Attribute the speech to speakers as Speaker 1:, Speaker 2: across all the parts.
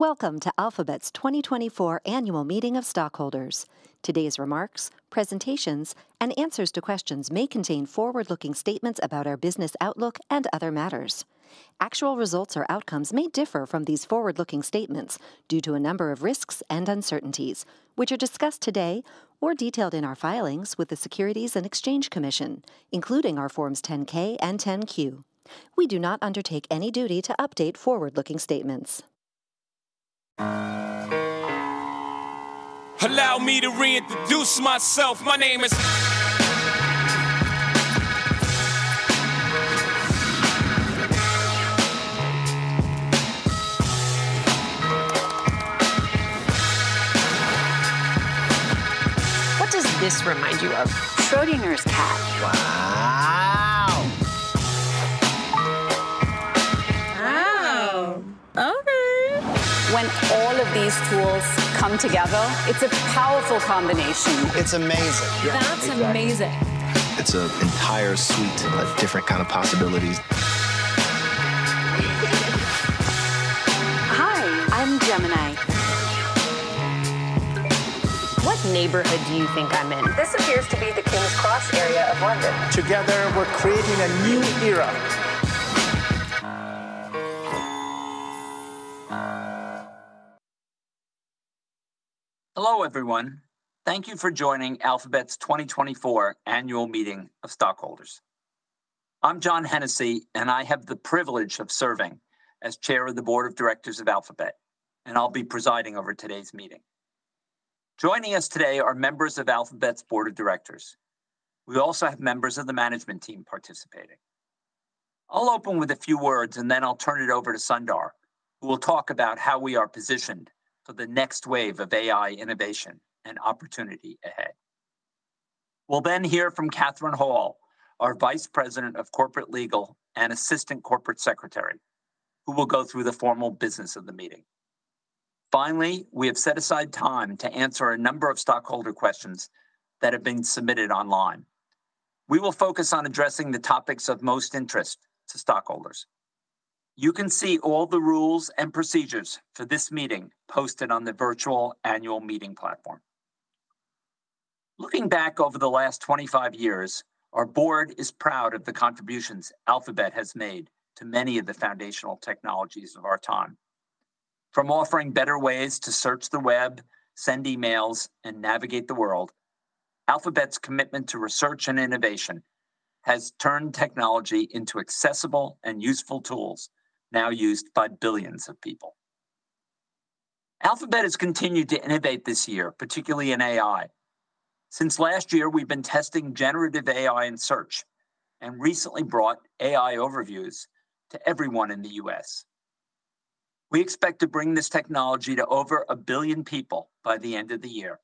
Speaker 1: Welcome to Alphabet's 2024 Annual Meeting of Stockholders. Today's remarks, presentations, and answers to questions may contain forward-looking statements about our business outlook and other matters. Actual results or outcomes may differ from these forward-looking statements due to a number of risks and uncertainties, which are discussed today or detailed in our filings with the Securities and Exchange Commission, including our Forms 10-K and 10-Q. We do not undertake any duty to update forward-looking statements. Allow me to reintroduce myself. My name is... What does this remind you of? Schrödinger's cat. Wow. Wow. Okay. When all of these tools come together, it's a powerful combination. It's amazing. That's amazing. It's an entire suite of different kinds of possibilities. Hi, I'm Gemini. What neighborhood do you think I'm in? This appears to be the King's Cross area of London. Together, we're creating a new era.
Speaker 2: Hello, everyone. Thank you for joining Alphabet's 2024 Annual Meeting of Stockholders. I'm John Hennessy, and I have the privilege of serving as Chair of the Board of Directors of Alphabet, and I'll be presiding over today's meeting. Joining us today are members of Alphabet's Board of Directors. We also have members of the management team participating. I'll open with a few words, and then I'll turn it over to Sundar, who will talk about how we are positioned for the next wave of AI innovation and opportunity ahead. We'll then hear from Kathryn Hall, our Vice President of Corporate Legal and Assistant Corporate Secretary, who will go through the formal business of the meeting. Finally, we have set aside time to answer a number of stockholder questions that have been submitted online. We will focus on addressing the topics of most interest to stockholders. You can see all the rules and procedures for this meeting posted on the virtual annual meeting platform. Looking back over the last 25 years, our board is proud of the contributions Alphabet has made to many of the foundational technologies of our time. From offering better ways to search the web, send emails, and navigate the world, Alphabet's commitment to research and innovation has turned technology into accessible and useful tools now used by billions of people. Alphabet has continued to innovate this year, particularly in AI. Since last year, we've been testing generative AI and search, and recently brought AI Overviews to everyone in the U.S. We expect to bring this technology to over a billion people by the end of the year.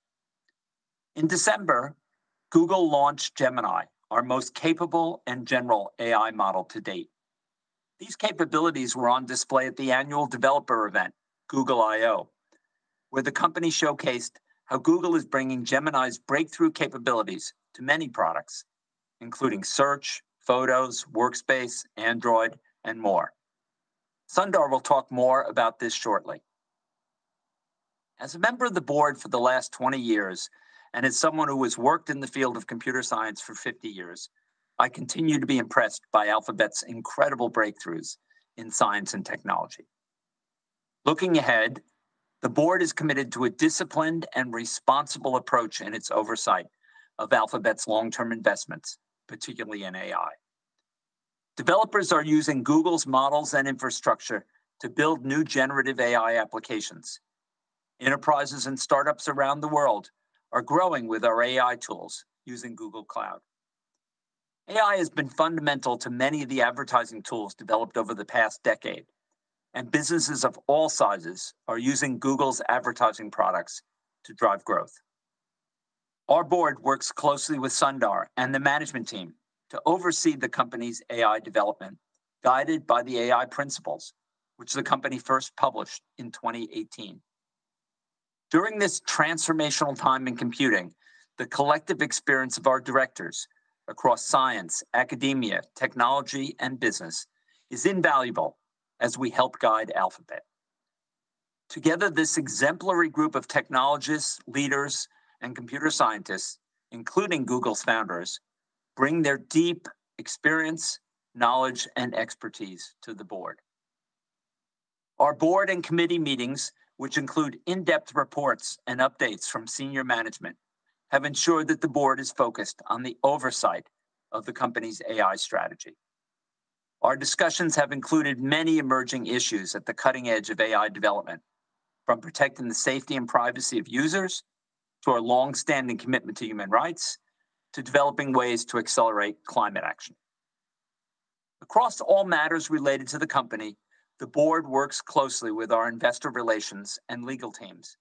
Speaker 2: In December, Google launched Gemini, our most capable and general AI model to date. These capabilities were on display at the annual developer event, Google I/O, where the company showcased how Google is bringing Gemini's breakthrough capabilities to many products, including search, photos, Workspace, Android, and more. Sundar will talk more about this shortly. As a member of the board for the last 20 years and as someone who has worked in the field of computer science for 50 years, I continue to be impressed by Alphabet's incredible breakthroughs in science and technology. Looking ahead, the board is committed to a disciplined and responsible approach in its oversight of Alphabet's long-term investments, particularly in AI. Developers are using Google's models and infrastructure to build new generative AI applications. Enterprises and startups around the world are growing with our AI tools using Google Cloud. AI has been fundamental to many of the advertising tools developed over the past decade, and businesses of all sizes are using Google's advertising products to drive growth. Our board works closely with Sundar and the management team to oversee the company's AI development, guided by the AI Principles, which the company first published in 2018. During this transformational time in computing, the collective experience of our directors across science, academia, technology, and business is invaluable as we help guide Alphabet. Together, this exemplary group of technologists, leaders, and computer scientists, including Google's founders, bring their deep experience, knowledge, and expertise to the board. Our board and committee meetings, which include in-depth reports and updates from senior management, have ensured that the board is focused on the oversight of the company's AI strategy. Our discussions have included many emerging issues at the cutting edge of AI development, from protecting the safety and privacy of users to our long-standing commitment to human rights to developing ways to accelerate climate action. Across all matters related to the company, the board works closely with our investor relations and legal teams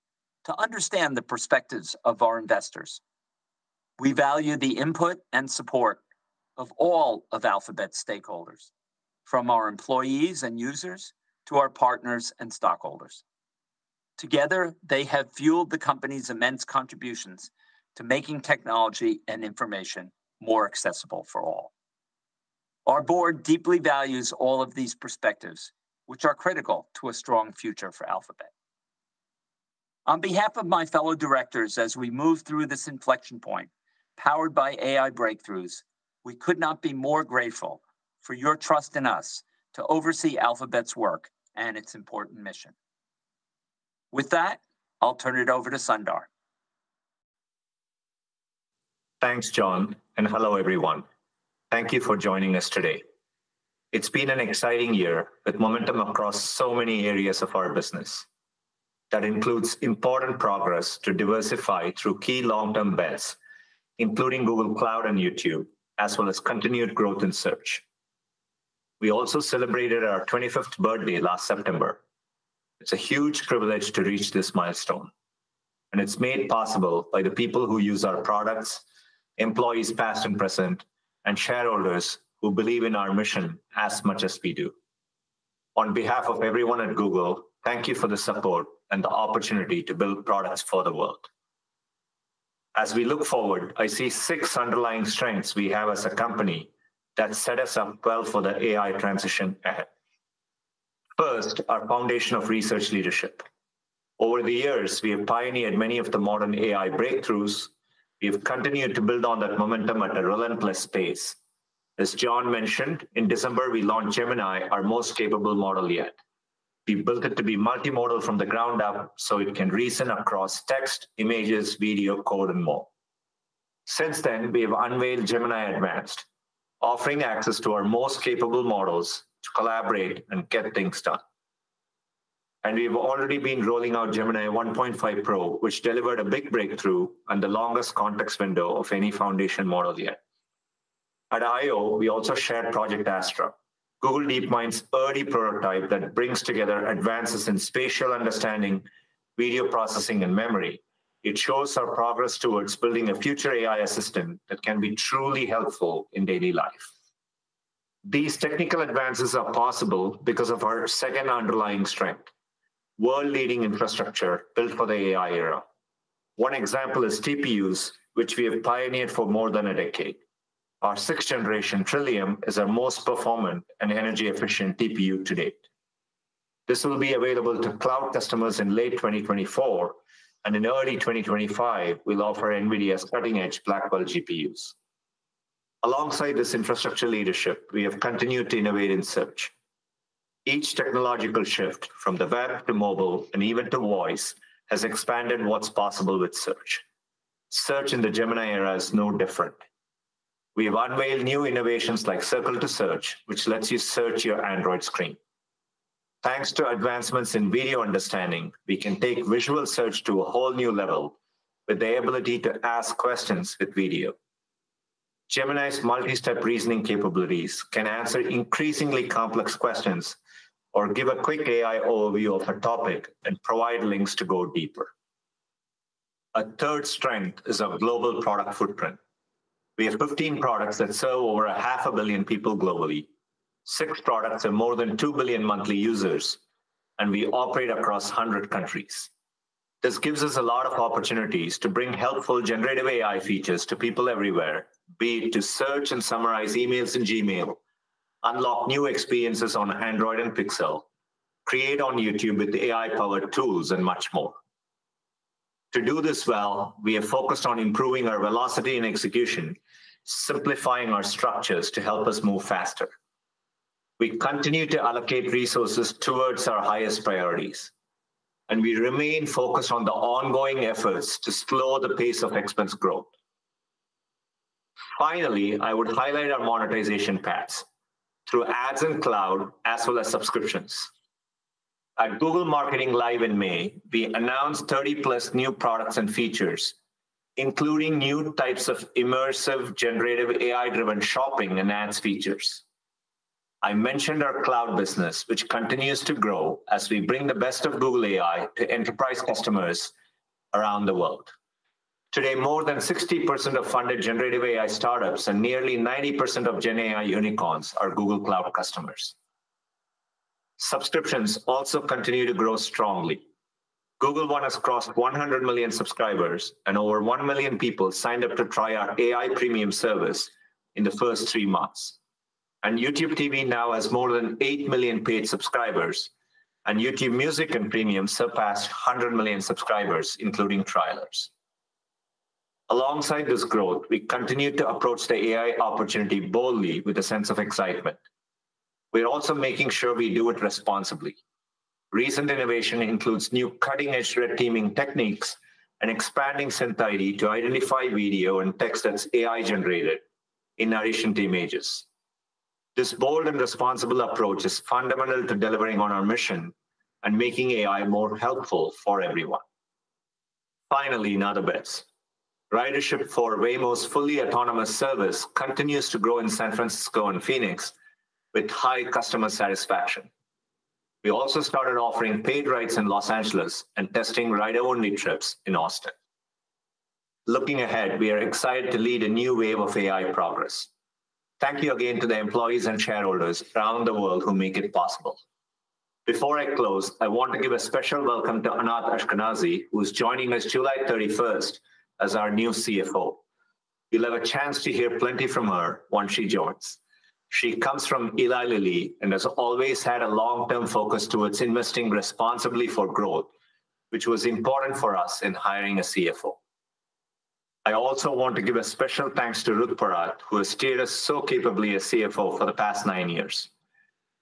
Speaker 2: to understand the perspectives of our investors. We value the input and support of all of Alphabet's stakeholders, from our employees and users to our partners and stockholders. Together, they have fueled the company's immense contributions to making technology and information more accessible for all. Our board deeply values all of these perspectives, which are critical to a strong future for Alphabet. On behalf of my fellow directors, as we move through this inflection point powered by AI breakthroughs, we could not be more grateful for your trust in us to oversee Alphabet's work and its important mission. With that, I'll turn it over to Sundar.
Speaker 3: Thanks, John, and hello, everyone. Thank you for joining us today. It's been an exciting year with momentum across so many areas of our business. That includes important progress to diversify through key long-term bets, including Google Cloud and YouTube, as well as continued growth in search. We also celebrated our 25th birthday last September. It's a huge privilege to reach this milestone, and it's made possible by the people who use our products, employees past and present, and shareholders who believe in our mission as much as we do. On behalf of everyone at Google, thank you for the support and the opportunity to build products for the world. As we look forward, I see six underlying strengths we have as a company that set us up well for the AI transition ahead. First, our foundation of research leadership. Over the years, we have pioneered many of the modern AI breakthroughs. We have continued to build on that momentum at a relentless pace. As John mentioned, in December, we launched Gemini, our most capable model yet. We built it to be multimodal from the ground up, so it can reason across text, images, video, code, and more. Since then, we have unveiled Gemini Advanced, offering access to our most capable models to collaborate and get things done. We have already been rolling out Gemini 1.5 Pro, which delivered a big breakthrough and the longest context window of any foundation model yet. At I/O, we also shared Project Astra, Google DeepMind's early prototype that brings together advances in spatial understanding, video processing, and memory. It shows our progress towards building a future AI assistant that can be truly helpful in daily life. These technical advances are possible because of our second underlying strength: world-leading infrastructure built for the AI era. One example is TPUs, which we have pioneered for more than a decade. Our sixth-generation Trillium is our most performant and energy-efficient TPU to date. This will be available to cloud customers in late 2024, and in early 2025, we'll offer NVIDIA's cutting-edge Blackwell GPUs. Alongside this infrastructure leadership, we have continued to innovate in search. Each technological shift from the web to mobile and even to voice has expanded what's possible with search. Search in the Gemini era is no different. We have unveiled new innovations like Circle to Search, which lets you search your Android screen. Thanks to advancements in video understanding, we can take visual search to a whole new level with the ability to ask questions with video. Gemini's multi-step reasoning capabilities can answer increasingly complex questions or give a quick AI overview of a topic and provide links to go deeper. A third strength is our global product footprint. We have 15 products that serve over 500 million people globally, six products and more than 2 billion monthly users, and we operate across 100 countries. This gives us a lot of opportunities to bring helpful generative AI features to people everywhere, be it to search and summarize emails in Gmail, unlock new experiences on Android and Pixel, create on YouTube with AI-powered tools, and much more. To do this well, we have focused on improving our velocity and execution, simplifying our structures to help us move faster. We continue to allocate resources towards our highest priorities, and we remain focused on the ongoing efforts to slow the pace of expense growth. Finally, I would highlight our monetization paths through ads and cloud, as well as subscriptions. At Google Marketing Live in May, we announced 30-plus new products and features, including new types of immersive generative AI-driven shopping and ads features. I mentioned our cloud business, which continues to grow as we bring the best of Google AI to enterprise customers around the world. Today, more than 60% of funded generative AI startups and nearly 90% of Gen AI unicorns are Google Cloud customers. Subscriptions also continue to grow strongly. Google One has crossed 100 million subscribers, and over 1 million people signed up to try our AI Premium service in the first three months, and YouTube TV now has more than 8 million paid subscribers, and YouTube Music and Premium surpassed 100 million subscribers, including trialers. Alongside this growth, we continue to approach the AI opportunity boldly with a sense of excitement. We're also making sure we do it responsibly. Recent innovation includes new cutting-edge red teaming techniques and expanding SynthID to identify video and text that's AI-generated in addition to images. This bold and responsible approach is fundamental to delivering on our mission and making AI more helpful for everyone. Finally, in other bets, ridership for Waymo's fully autonomous service continues to grow in San Francisco and Phoenix with high customer satisfaction. We also started offering paid rides in Los Angeles and testing rider-only trips in Austin. Looking ahead, we are excited to lead a new wave of AI progress. Thank you again to the employees and shareholders around the world who make it possible. Before I close, I want to give a special welcome to Anat Ashkenazi, who's joining us July 31st as our new CFO. We'll have a chance to hear plenty from her once she joins. She comes from Eli Lilly and has always had a long-term focus towards investing responsibly for growth, which was important for us in hiring a CFO. I also want to give a special thanks to Ruth Porat, who has steered us so capably as CFO for the past nine years.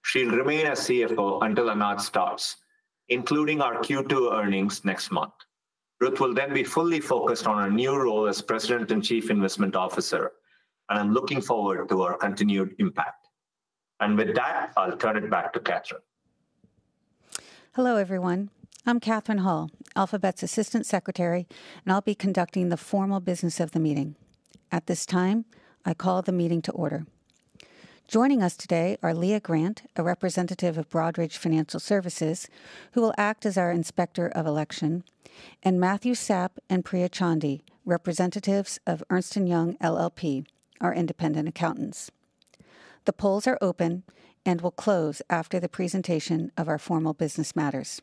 Speaker 3: She'll remain as CFO until Anat starts, including our Q2 earnings next month. Ruth will then be fully focused on her new role as President and Chief Investment Officer, and I'm looking forward to her continued impact. And with that, I'll turn it back to Kathryn.
Speaker 4: Hello, everyone. I'm Kathryn Hall, Alphabet's Assistant Secretary, and I'll be conducting the formal business of the meeting. At this time, I call the meeting to order. Joining us today are Leah Grant, a representative of Broadridge Financial Services, who will act as our inspector of election, and Matthew Sapp and Priya Chandi, representatives of Ernst & Young LLP, our independent accountants. The polls are open and will close after the presentation of our formal business matters.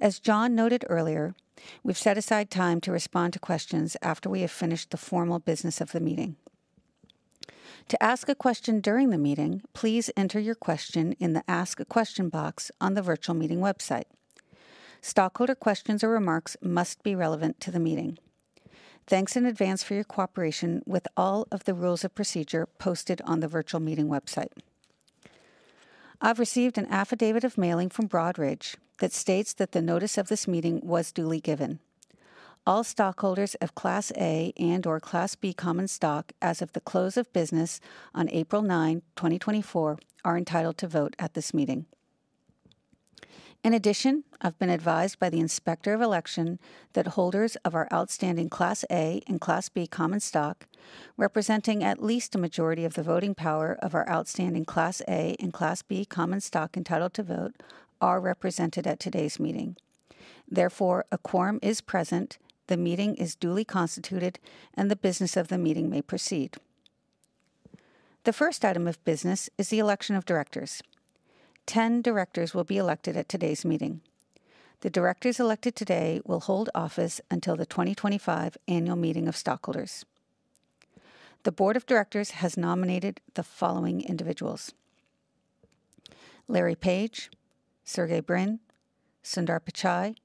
Speaker 4: As John noted earlier, we've set aside time to respond to questions after we have finished the formal business of the meeting. To ask a question during the meeting, please enter your question in the Ask a Question box on the virtual meeting website. Stockholder questions or remarks must be relevant to the meeting. Thanks in advance for your cooperation with all of the rules of procedure posted on the virtual meeting website. I've received an affidavit of mailing from Broadridge that states that the notice of this meeting was duly given. All stockholders of Class A and/or Class B Common Stock as of the close of business on April 9, 2024, are entitled to vote at this meeting. In addition, I've been advised by the inspector of election that holders of our outstanding Class A and Class B Common Stock, representing at least a majority of the voting power of our outstanding Class A and Class B Common Stock entitled to vote, are represented at today's meeting. Therefore, a quorum is present, the meeting is duly constituted, and the business of the meeting may proceed. The first item of business is the election of directors. 10 directors will be elected at today's meeting. The directors elected today will hold office until the 2025 annual meeting of stockholders. The board of directors has nominated the following individuals: Larry Page, Sergey Brin, Sundar Pichai,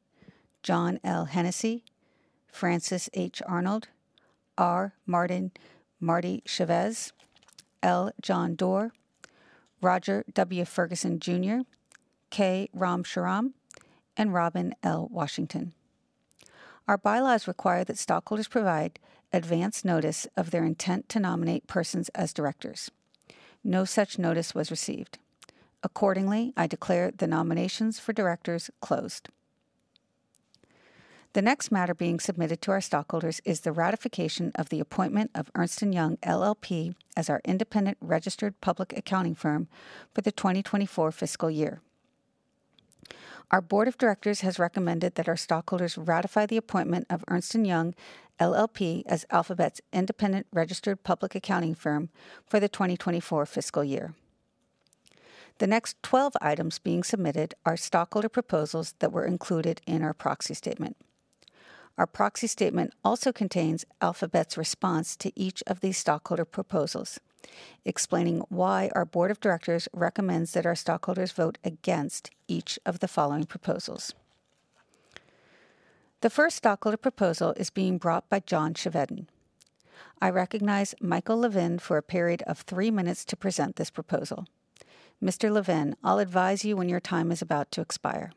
Speaker 4: John L. Hennessy, Frances H. Arnold, R. Martin 'Marty' Chavez, L. John Doerr, Roger W. Ferguson Jr., K. Ram Shriram, and Robin L. Washington. Our bylaws require that stockholders provide advance notice of their intent to nominate persons as directors. No such notice was received. Accordingly, I declare the nominations for directors closed. The next matter being submitted to our stockholders is the ratification of the appointment of Ernst & Young LLP as our independent registered public accounting firm for the 2024 fiscal year. Our board of directors has recommended that our stockholders ratify the appointment of Ernst & Young LLP as Alphabet's independent registered public accounting firm for the 2024 fiscal year. The next 12 items being submitted are stockholder proposals that were included in our proxy statement. Our proxy statement also contains Alphabet's response to each of these stockholder proposals, explaining why our board of directors recommends that our stockholders vote against each of the following proposals. The first stockholder proposal is being brought by John Chevedden. I recognize Michael Levin for a period of three minutes to present this proposal. Mr. Levin, I'll advise you when your time is about to expire.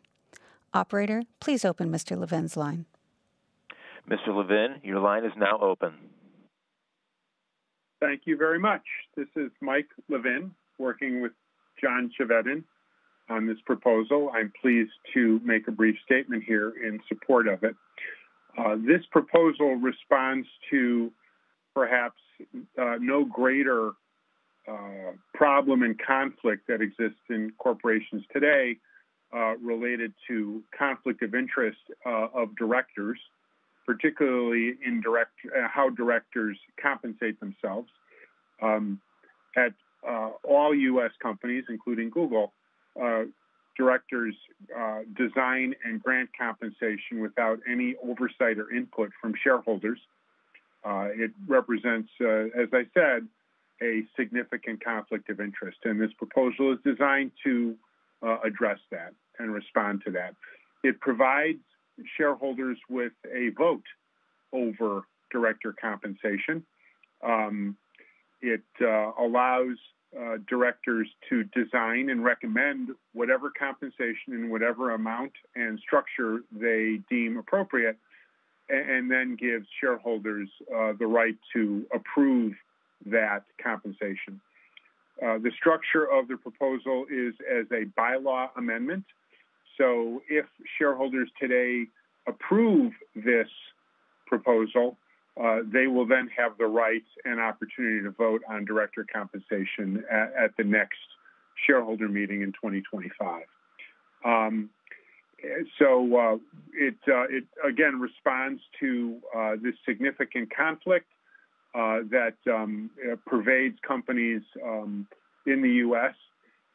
Speaker 4: Operator, please open Mr. Levin's line.
Speaker 1: Mr. Levin, your line is now open.
Speaker 5: Thank you very much. This is Mike Levin, working with John Chevedden on this proposal. I'm pleased to make a brief statement here in support of it. This proposal responds to perhaps no greater problem and conflict that exists in corporations today related to conflict of interest of directors, particularly in how directors compensate themselves. At all U.S. companies, including Google, directors design and grant compensation without any oversight or input from shareholders. It represents, as I said, a significant conflict of interest, and this proposal is designed to address that and respond to that. It provides shareholders with a vote over director compensation. It allows directors to design and recommend whatever compensation and whatever amount and structure they deem appropriate, and then gives shareholders the right to approve that compensation. The structure of the proposal is as a bylaw amendment. So if shareholders today approve this proposal, they will then have the right and opportunity to vote on director compensation at the next shareholder meeting in 2025. So it, again, responds to this significant conflict that pervades companies in the U.S.,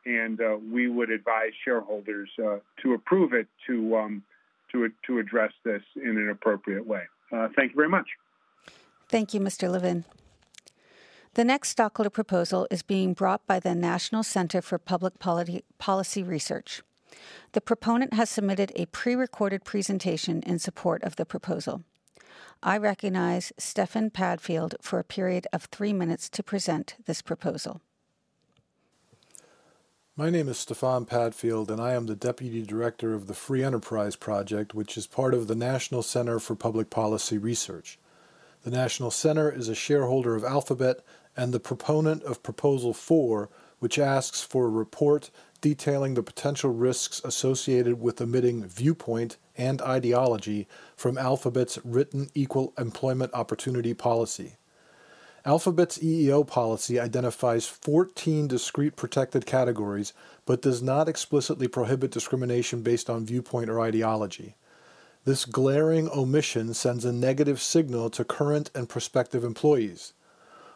Speaker 5: and we would advise shareholders to approve it to address this in an appropriate way. Thank you very much.
Speaker 4: Thank you, Mr. Levin. The next stockholder proposal is being brought by the National Center for Public Policy Research. The proponent has submitted a prerecorded presentation in support of the proposal. I recognize Stefan Padfield for a period of three minutes to present this proposal.
Speaker 6: My name is Stefan Padfield, and I am the Deputy Director of the Free Enterprise Project, which is part of the National Center for Public Policy Research. The National Center is a shareholder of Alphabet and the proponent of proposal four, which asks for a report detailing the potential risks associated with omitting viewpoint and ideology from Alphabet's written equal employment opportunity policy. Alphabet's EEO policy identifies 14 discrete protected categories but does not explicitly prohibit discrimination based on viewpoint or ideology. This glaring omission sends a negative signal to current and prospective employees.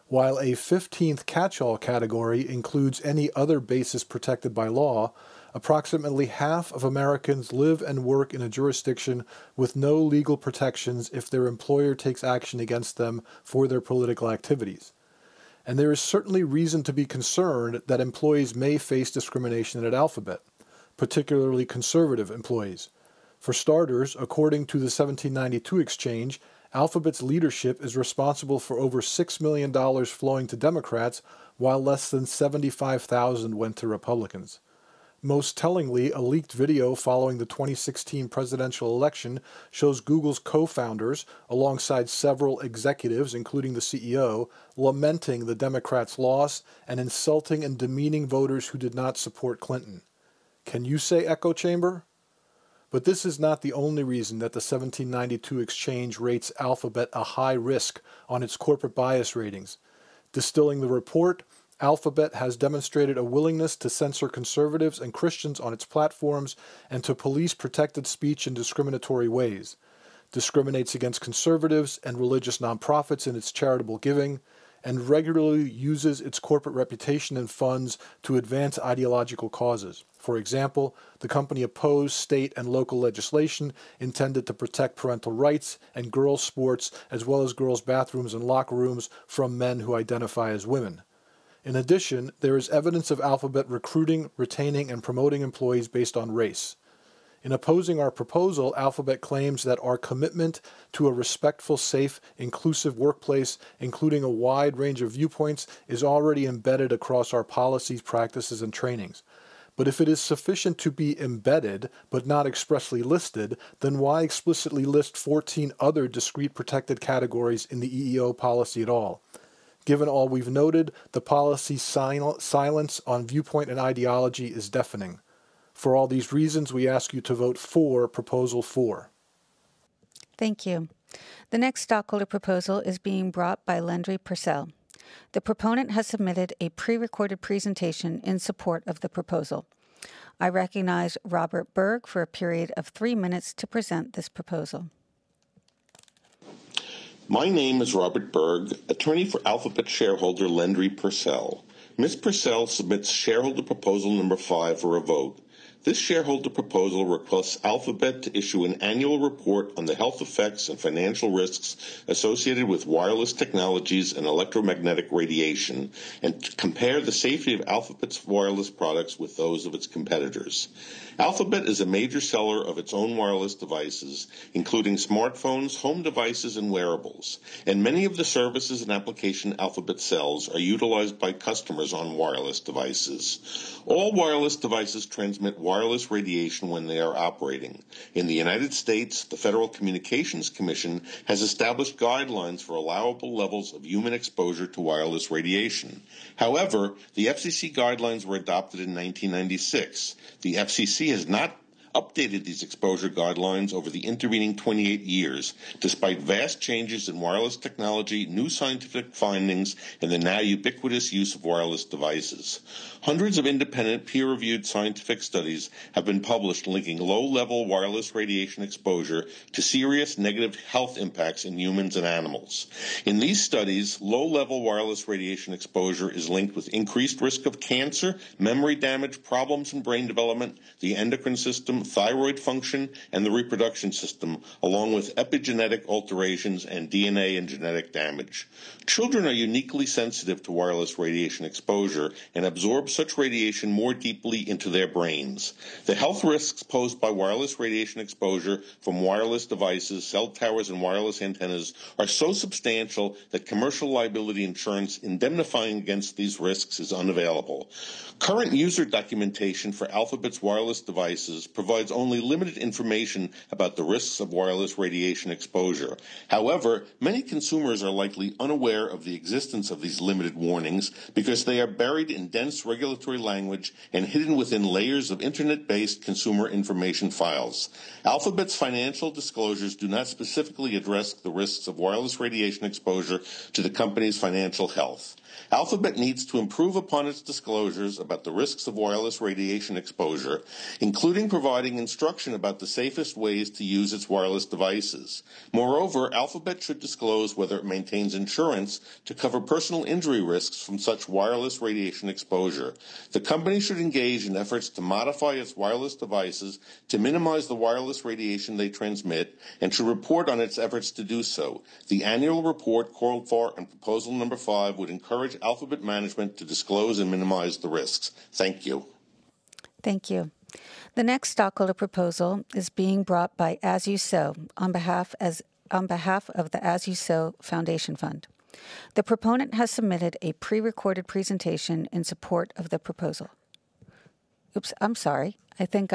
Speaker 6: While a 15th catch-all category includes any other basis protected by law, approximately half of Americans live and work in a jurisdiction with no legal protections if their employer takes action against them for their political activities. And there is certainly reason to be concerned that employees may face discrimination at Alphabet, particularly conservative employees. For starters, according to the 1792 Exchange, Alphabet's leadership is responsible for over $6 million flowing to Democrats, while less than $75,000 went to Republicans. Most tellingly, a leaked video following the 2016 presidential election shows Google's co-founders, alongside several executives, including the CEO, lamenting the Democrats' loss and insulting and demeaning voters who did not support Clinton. Can you say echo chamber? But this is not the only reason that the 1792 Exchange rates Alphabet a high risk on its corporate bias ratings. Distilling the report, Alphabet has demonstrated a willingness to censor conservatives and Christians on its platforms and to police protected speech in discriminatory ways, discriminates against conservatives and religious nonprofits in its charitable giving, and regularly uses its corporate reputation and funds to advance ideological causes. For example, the company opposed state and local legislation intended to protect parental rights and girls' sports, as well as girls' bathrooms and locker rooms from men who identify as women. In addition, there is evidence of Alphabet recruiting, retaining, and promoting employees based on race. In opposing our proposal, Alphabet claims that our commitment to a respectful, safe, inclusive workplace, including a wide range of viewpoints, is already embedded across our policies, practices, and trainings. But if it is sufficient to be embedded but not expressly listed, then why explicitly list 14 other discrete protected categories in the EEO policy at all? Given all we've noted, the policy's silence on viewpoint and ideology is deafening. For all these reasons, we ask you to vote for proposal four.
Speaker 4: Thank you. The next stockholder proposal is being brought by Lendri Purcell. The proponent has submitted a prerecorded presentation in support of the proposal. I recognize Robert Berg for a period of three minutes to present this proposal.
Speaker 7: My name is Robert Berg, attorney for Alphabet shareholder Lendri Purcell. Ms. Purcell submits shareholder proposal number five for a vote. This shareholder proposal requests Alphabet to issue an annual report on the health effects and financial risks associated with wireless technologies and electromagnetic radiation and compare the safety of Alphabet's wireless products with those of its competitors. Alphabet is a major seller of its own wireless devices, including smartphones, home devices, and wearables, and many of the services and applications Alphabet sells are utilized by customers on wireless devices. All wireless devices transmit wireless radiation when they are operating. In the United States, the Federal Communications Commission has established guidelines for allowable levels of human exposure to wireless radiation. However, the FCC guidelines were adopted in 1996. The FCC has not updated these exposure guidelines over the intervening 28 years, despite vast changes in wireless technology, new scientific findings, and the now ubiquitous use of wireless devices. Hundreds of independent peer-reviewed scientific studies have been published linking low-level wireless radiation exposure to serious negative health impacts in humans and animals. In these studies, low-level wireless radiation exposure is linked with increased risk of cancer, memory damage, problems in brain development, the endocrine system, thyroid function, and the reproductive system, along with epigenetic alterations and DNA and genetic damage. Children are uniquely sensitive to wireless radiation exposure and absorb such radiation more deeply into their brains. The health risks posed by wireless radiation exposure from wireless devices, cell towers, and wireless antennas are so substantial that commercial liability insurance indemnifying against these risks is unavailable. Current user documentation for Alphabet's wireless devices provides only limited information about the risks of wireless radiation exposure. However, many consumers are likely unaware of the existence of these limited warnings because they are buried in dense regulatory language and hidden within layers of internet-based consumer information files. Alphabet's financial disclosures do not specifically address the risks of wireless radiation exposure to the company's financial health. Alphabet needs to improve upon its disclosures about the risks of wireless radiation exposure, including providing instruction about the safest ways to use its wireless devices. Moreover, Alphabet should disclose whether it maintains insurance to cover personal injury risks from such wireless radiation exposure. The company should engage in efforts to modify its wireless devices to minimize the wireless radiation they transmit and should report on its efforts to do so. The annual report called for on proposal number five would encourage Alphabet management to disclose and minimize the risks. Thank you.
Speaker 4: Thank you. The next stockholder proposal is being brought by As You Sow on behalf of the As You Sow Foundation Fund. The proponent has submitted a prerecorded presentation in support of the proposal. Oops, I'm sorry. I think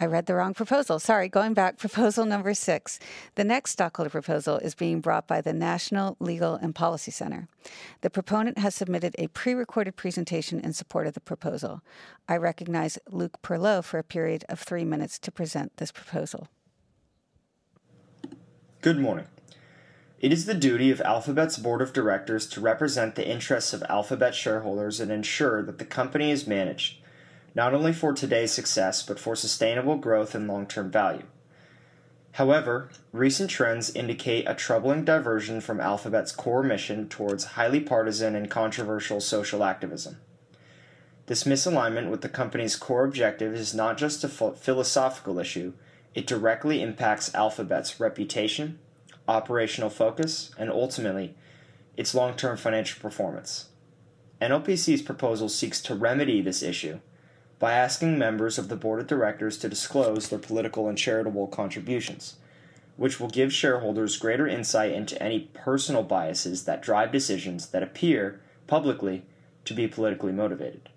Speaker 4: I read the wrong proposal. Sorry. Going back, proposal number six. The next stockholder proposal is being brought by the National Legal and Policy Center. The proponent has submitted a prerecorded presentation in support of the proposal. I recognize Luke Perlot for a period of three minutes to present this proposal.
Speaker 8: Good morning. It is the duty of Alphabet's board of directors to represent the interests of Alphabet shareholders and ensure that the company is managed not only for today's success but for sustainable growth and long-term value. However, recent trends indicate a troubling diversion from Alphabet's core mission towards highly partisan and controversial social activism. This misalignment with the company's core objective is not just a philosophical issue. It directly impacts Alphabet's reputation, operational focus, and ultimately, its long-term financial performance. NLPC's proposal seeks to remedy this issue by asking members of the board of directors to disclose their political and charitable contributions, which will give shareholders greater insight into any personal biases that drive decisions that appear publicly to be politically motivated.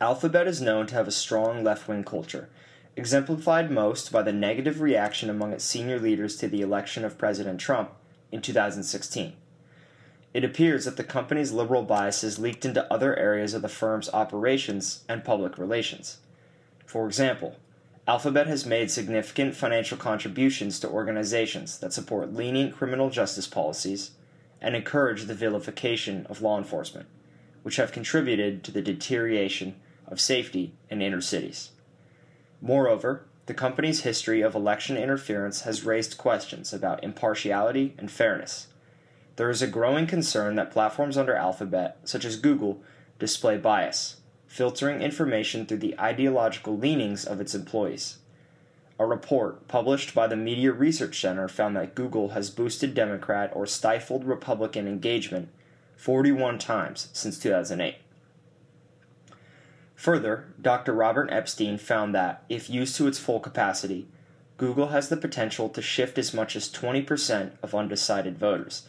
Speaker 8: Alphabet is known to have a strong left-wing culture, exemplified most by the negative reaction among its senior leaders to the election of President Trump in 2016. It appears that the company's liberal biases leaked into other areas of the firm's operations and public relations. For example, Alphabet has made significant financial contributions to organizations that support lenient criminal justice policies and encourage the vilification of law enforcement, which have contributed to the deterioration of safety in inner cities. Moreover, the company's history of election interference has raised questions about impartiality and fairness. There is a growing concern that platforms under Alphabet, such as Google, display bias, filtering information through the ideological leanings of its employees. A report published by the Media Research Center found that Google has boosted Democrat or stifled Republican engagement 41 times since 2008. Further, Dr. Robert Epstein found that, if used to its full capacity, Google has the potential to shift as much as 20% of undecided voters.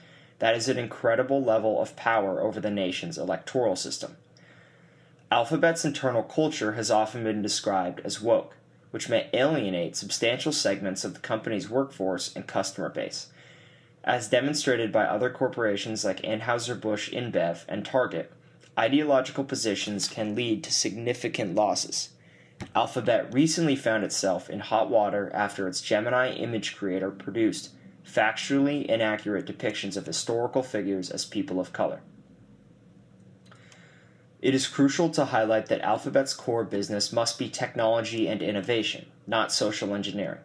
Speaker 8: That is an incredible level of power over the nation's electoral system. Alphabet's internal culture has often been described as woke, which may alienate substantial segments of the company's workforce and customer base. As demonstrated by other corporations like Anheuser-Busch InBev and Target, ideological positions can lead to significant losses. Alphabet recently found itself in hot water after its Gemini image creator produced factually inaccurate depictions of historical figures as people of color. It is crucial to highlight that Alphabet's core business must be technology and innovation, not social engineering.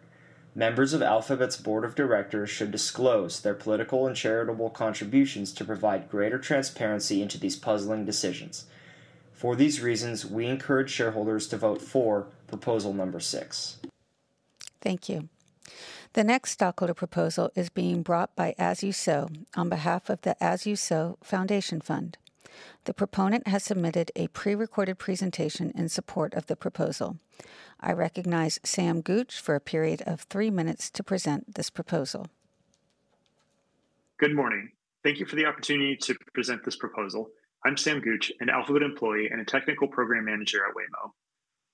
Speaker 8: Members of Alphabet's board of directors should disclose their political and charitable contributions to provide greater transparency into these puzzling decisions. For these reasons, we encourage shareholders to vote for proposal number six.
Speaker 4: Thank you. The next stockholder proposal is being brought by As You Sow on behalf of the As You Sow Foundation Fund. The proponent has submitted a prerecorded presentation in support of the proposal. I recognize Sam Gooch for a period of three minutes to present this proposal.
Speaker 9: Good morning. Thank you for the opportunity to present this proposal. I'm Sam Gooch, an Alphabet employee and a technical program manager at Waymo.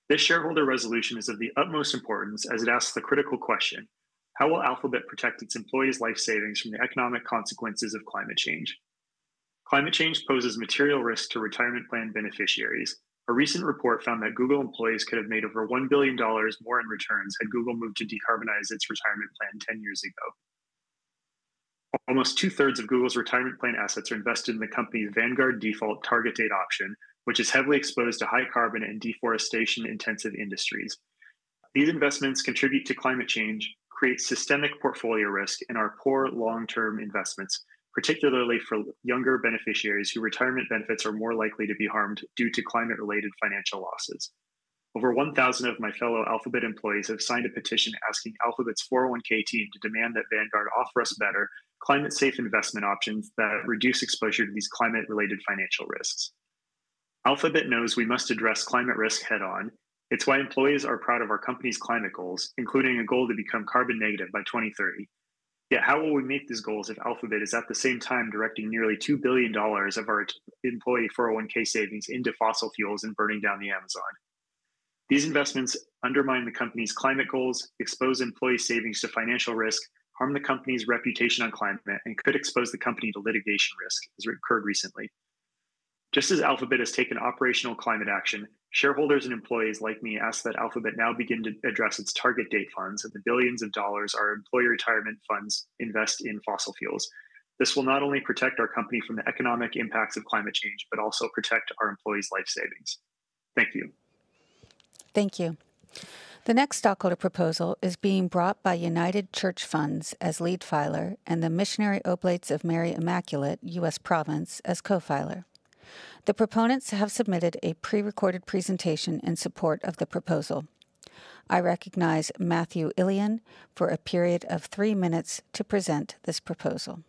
Speaker 9: This shareholder resolution is of the utmost importance as it asks the critical question: how will Alphabet protect its employees' life savings from the economic consequences of climate change? Climate change poses material risk to retirement plan beneficiaries. A recent report found that Google employees could have made over $1 billion more in returns had Google moved to decarbonize its retirement plan 10 years ago. Almost two-thirds of Google's retirement plan assets are invested in the company's Vanguard default target date option, which is heavily exposed to high carbon and deforestation-intensive industries. These investments contribute to climate change, create systemic portfolio risk, and are poor long-term investments, particularly for younger beneficiaries whose retirement benefits are more likely to be harmed due to climate-related financial losses. Over 1,000 of my fellow Alphabet employees have signed a petition asking Alphabet's 401(k) team to demand that Vanguard offer us better climate-safe investment options that reduce exposure to these climate-related financial risks. Alphabet knows we must address climate risk head-on. It's why employees are proud of our company's climate goals, including a goal to become carbon negative by 2030. Yet how will we meet these goals if Alphabet is at the same time directing nearly $2 billion of our employee 401(k) savings into fossil fuels and burning down the Amazon? These investments undermine the company's climate goals, expose employee savings to financial risk, harm the company's reputation on climate, and could expose the company to litigation risk as it occurred recently. Just as Alphabet has taken operational climate action, shareholders and employees like me ask that Alphabet now begin to address its target date funds and the billions of dollars our employee retirement funds invest in fossil fuels. This will not only protect our company from the economic impacts of climate change but also protect our employees' life savings. Thank you.
Speaker 4: Thank you. The next stockholder proposal is being brought by United Church Funds as lead filer and the Missionary Oblates of Mary Immaculate, U.S. Province, as co-filer. The proponents have submitted a prerecorded presentation in support of the proposal. I recognize Matthew Ilian for a period of three minutes to present this proposal.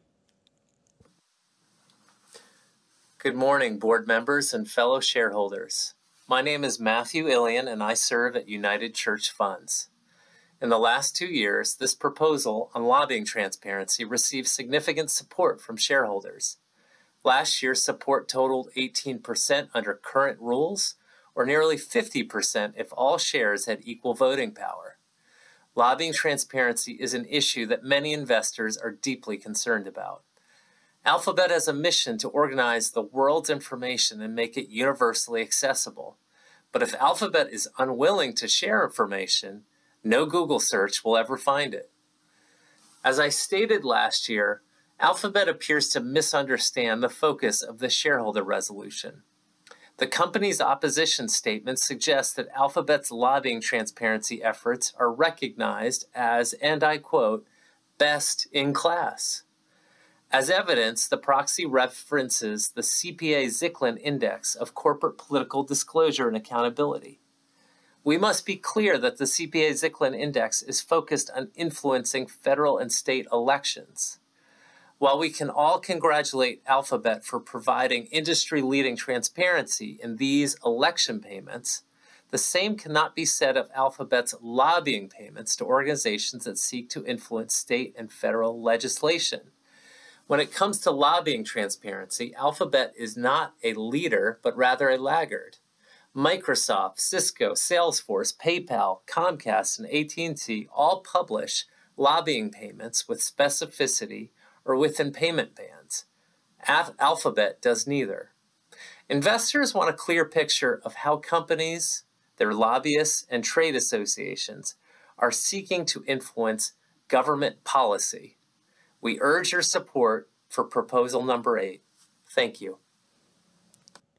Speaker 10: Good morning, board members and fellow shareholders. My name is Matthew Ilian, and I serve at United Church Funds. In the last two years, this proposal on lobbying transparency received significant support from shareholders. Last year's support totaled 18% under current rules or nearly 50% if all shares had equal voting power. Lobbying transparency is an issue that many investors are deeply concerned about. Alphabet has a mission to organize the world's information and make it universally accessible. But if Alphabet is unwilling to share information, no Google search will ever find it. As I stated last year, Alphabet appears to misunderstand the focus of the shareholder resolution. The company's opposition statement suggests that Alphabet's lobbying transparency efforts are recognized as, and I quote, "best in class." As evidence, the proxy references the CPA-Zicklin Index of Corporate Political Disclosure and Accountability. We must be clear that the CPA-Zicklin Index is focused on influencing federal and state elections. While we can all congratulate Alphabet for providing industry-leading transparency in these election payments, the same cannot be said of Alphabet's lobbying payments to organizations that seek to influence state and federal legislation. When it comes to lobbying transparency, Alphabet is not a leader but rather a laggard. Microsoft, Cisco, Salesforce, PayPal, Comcast, and AT&T all publish lobbying payments with specificity or within payment bands. Alphabet does neither. Investors want a clear picture of how companies, their lobbyists, and trade associations are seeking to influence government policy. We urge your support for proposal number eight. Thank you.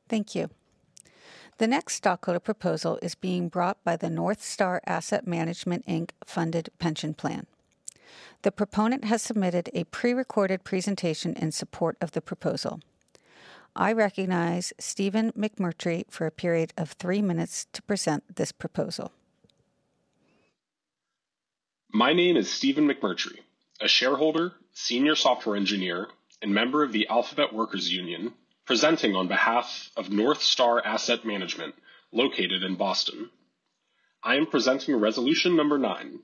Speaker 4: Thank you. The next stockholder proposal is being brought by the North Star Asset Management Inc Funded Pension Plan. The proponent has submitted a prerecorded presentation in support of the proposal. I recognize Stephen McMurtry for a period of three minutes to present this proposal.
Speaker 11: My name is Stephen McMurtry, a shareholder, senior software engineer, and member of the Alphabet Workers Union presenting on behalf of North Star Asset Management located in Boston. I am presenting resolution number nine,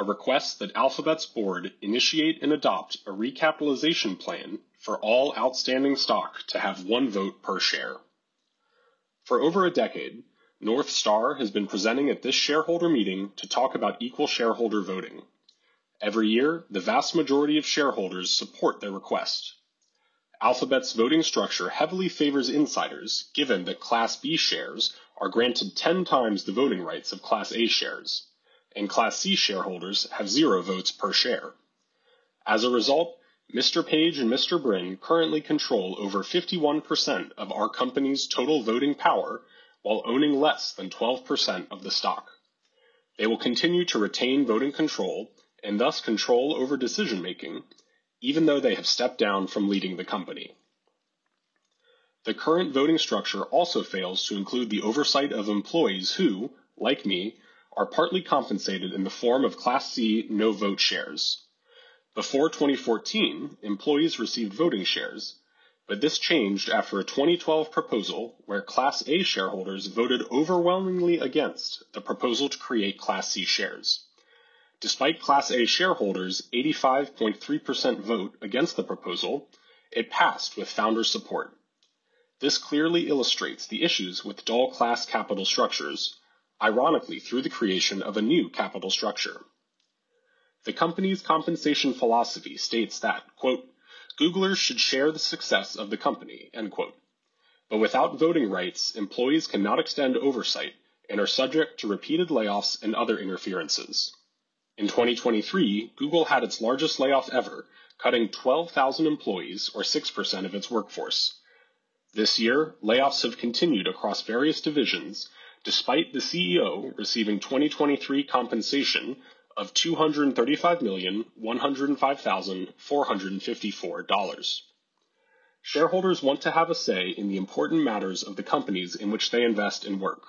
Speaker 11: a request that Alphabet's board initiate and adopt a recapitalization plan for all outstanding stock to have one vote per share. For over a decade, North Star has been presenting at this shareholder meeting to talk about equal shareholder voting. Every year, the vast majority of shareholders support their request. Alphabet's voting structure heavily favors insiders given that Class B shares are granted 10 times the voting rights of Class A shares, and Class C shareholders have zero votes per share. As a result, Mr. Page and Mr. Brin currently control over 51% of our company's total voting power while owning less than 12% of the stock. They will continue to retain voting control and thus control over decision-making even though they have stepped down from leading the company. The current voting structure also fails to include the oversight of employees who, like me, are partly compensated in the form of Class C no vote shares. Before 2014, employees received voting shares, but this changed after a 2012 proposal where Class A shareholders voted overwhelmingly against the proposal to create Class C shares. Despite Class A shareholders' 85.3% vote against the proposal, it passed with founder support. This clearly illustrates the issues with dual class capital structures, ironically through the creation of a new capital structure. The company's compensation philosophy states that, quote, "Googlers should share the success of the company," end quote. But without voting rights, employees cannot extend oversight and are subject to repeated layoffs and other interferences. In 2023, Google had its largest layoff ever, cutting 12,000 employees or 6% of its workforce. This year, layoffs have continued across various divisions despite the CEO receiving 2023 compensation of $235,105,454. Shareholders want to have a say in the important matters of the companies in which they invest and work.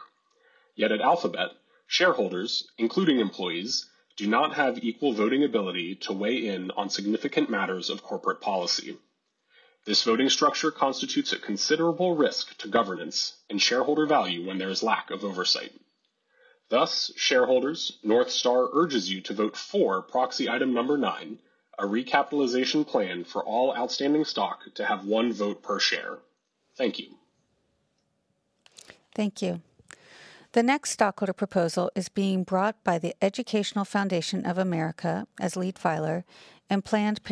Speaker 11: Yet at Alphabet, shareholders, including employees, do not have equal voting ability to weigh in on significant matters of corporate policy. This voting structure constitutes a considerable risk to governance and shareholder value when there is lack of oversight. Thus, shareholders, North Star urges you to vote for proxy item number nine, a recapitalization plan for all outstanding stock to have one vote per share. Thank you.
Speaker 4: Thank you. The next stockholder proposal is being brought by the Educational Foundation of America as lead filer and Planned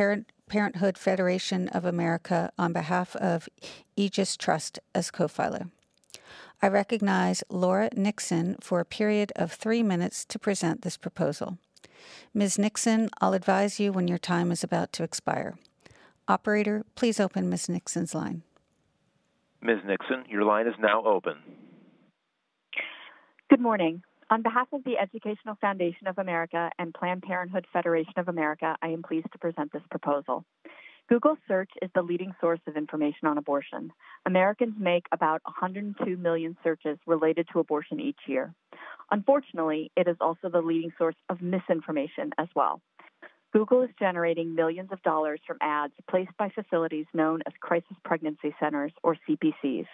Speaker 4: Parenthood Federation of America on behalf of Aegis Trust as co-filer. I recognize Laura Nixon for a period of three minutes to present this proposal. Ms. Nixon, I'll advise you when your time is about to expire. Operator, please open Ms. Nixon's line.
Speaker 1: Ms. Nixon, your line is now open.
Speaker 12: Good morning. On behalf of the Educational Foundation of America and Planned Parenthood Federation of America, I am pleased to present this proposal. Google Search is the leading source of information on abortion. Americans make about 102 million searches related to abortion each year. Unfortunately, it is also the leading source of misinformation as well. Google is generating millions of dollars from ads placed by facilities known as Crisis Pregnancy Centers or CPCs.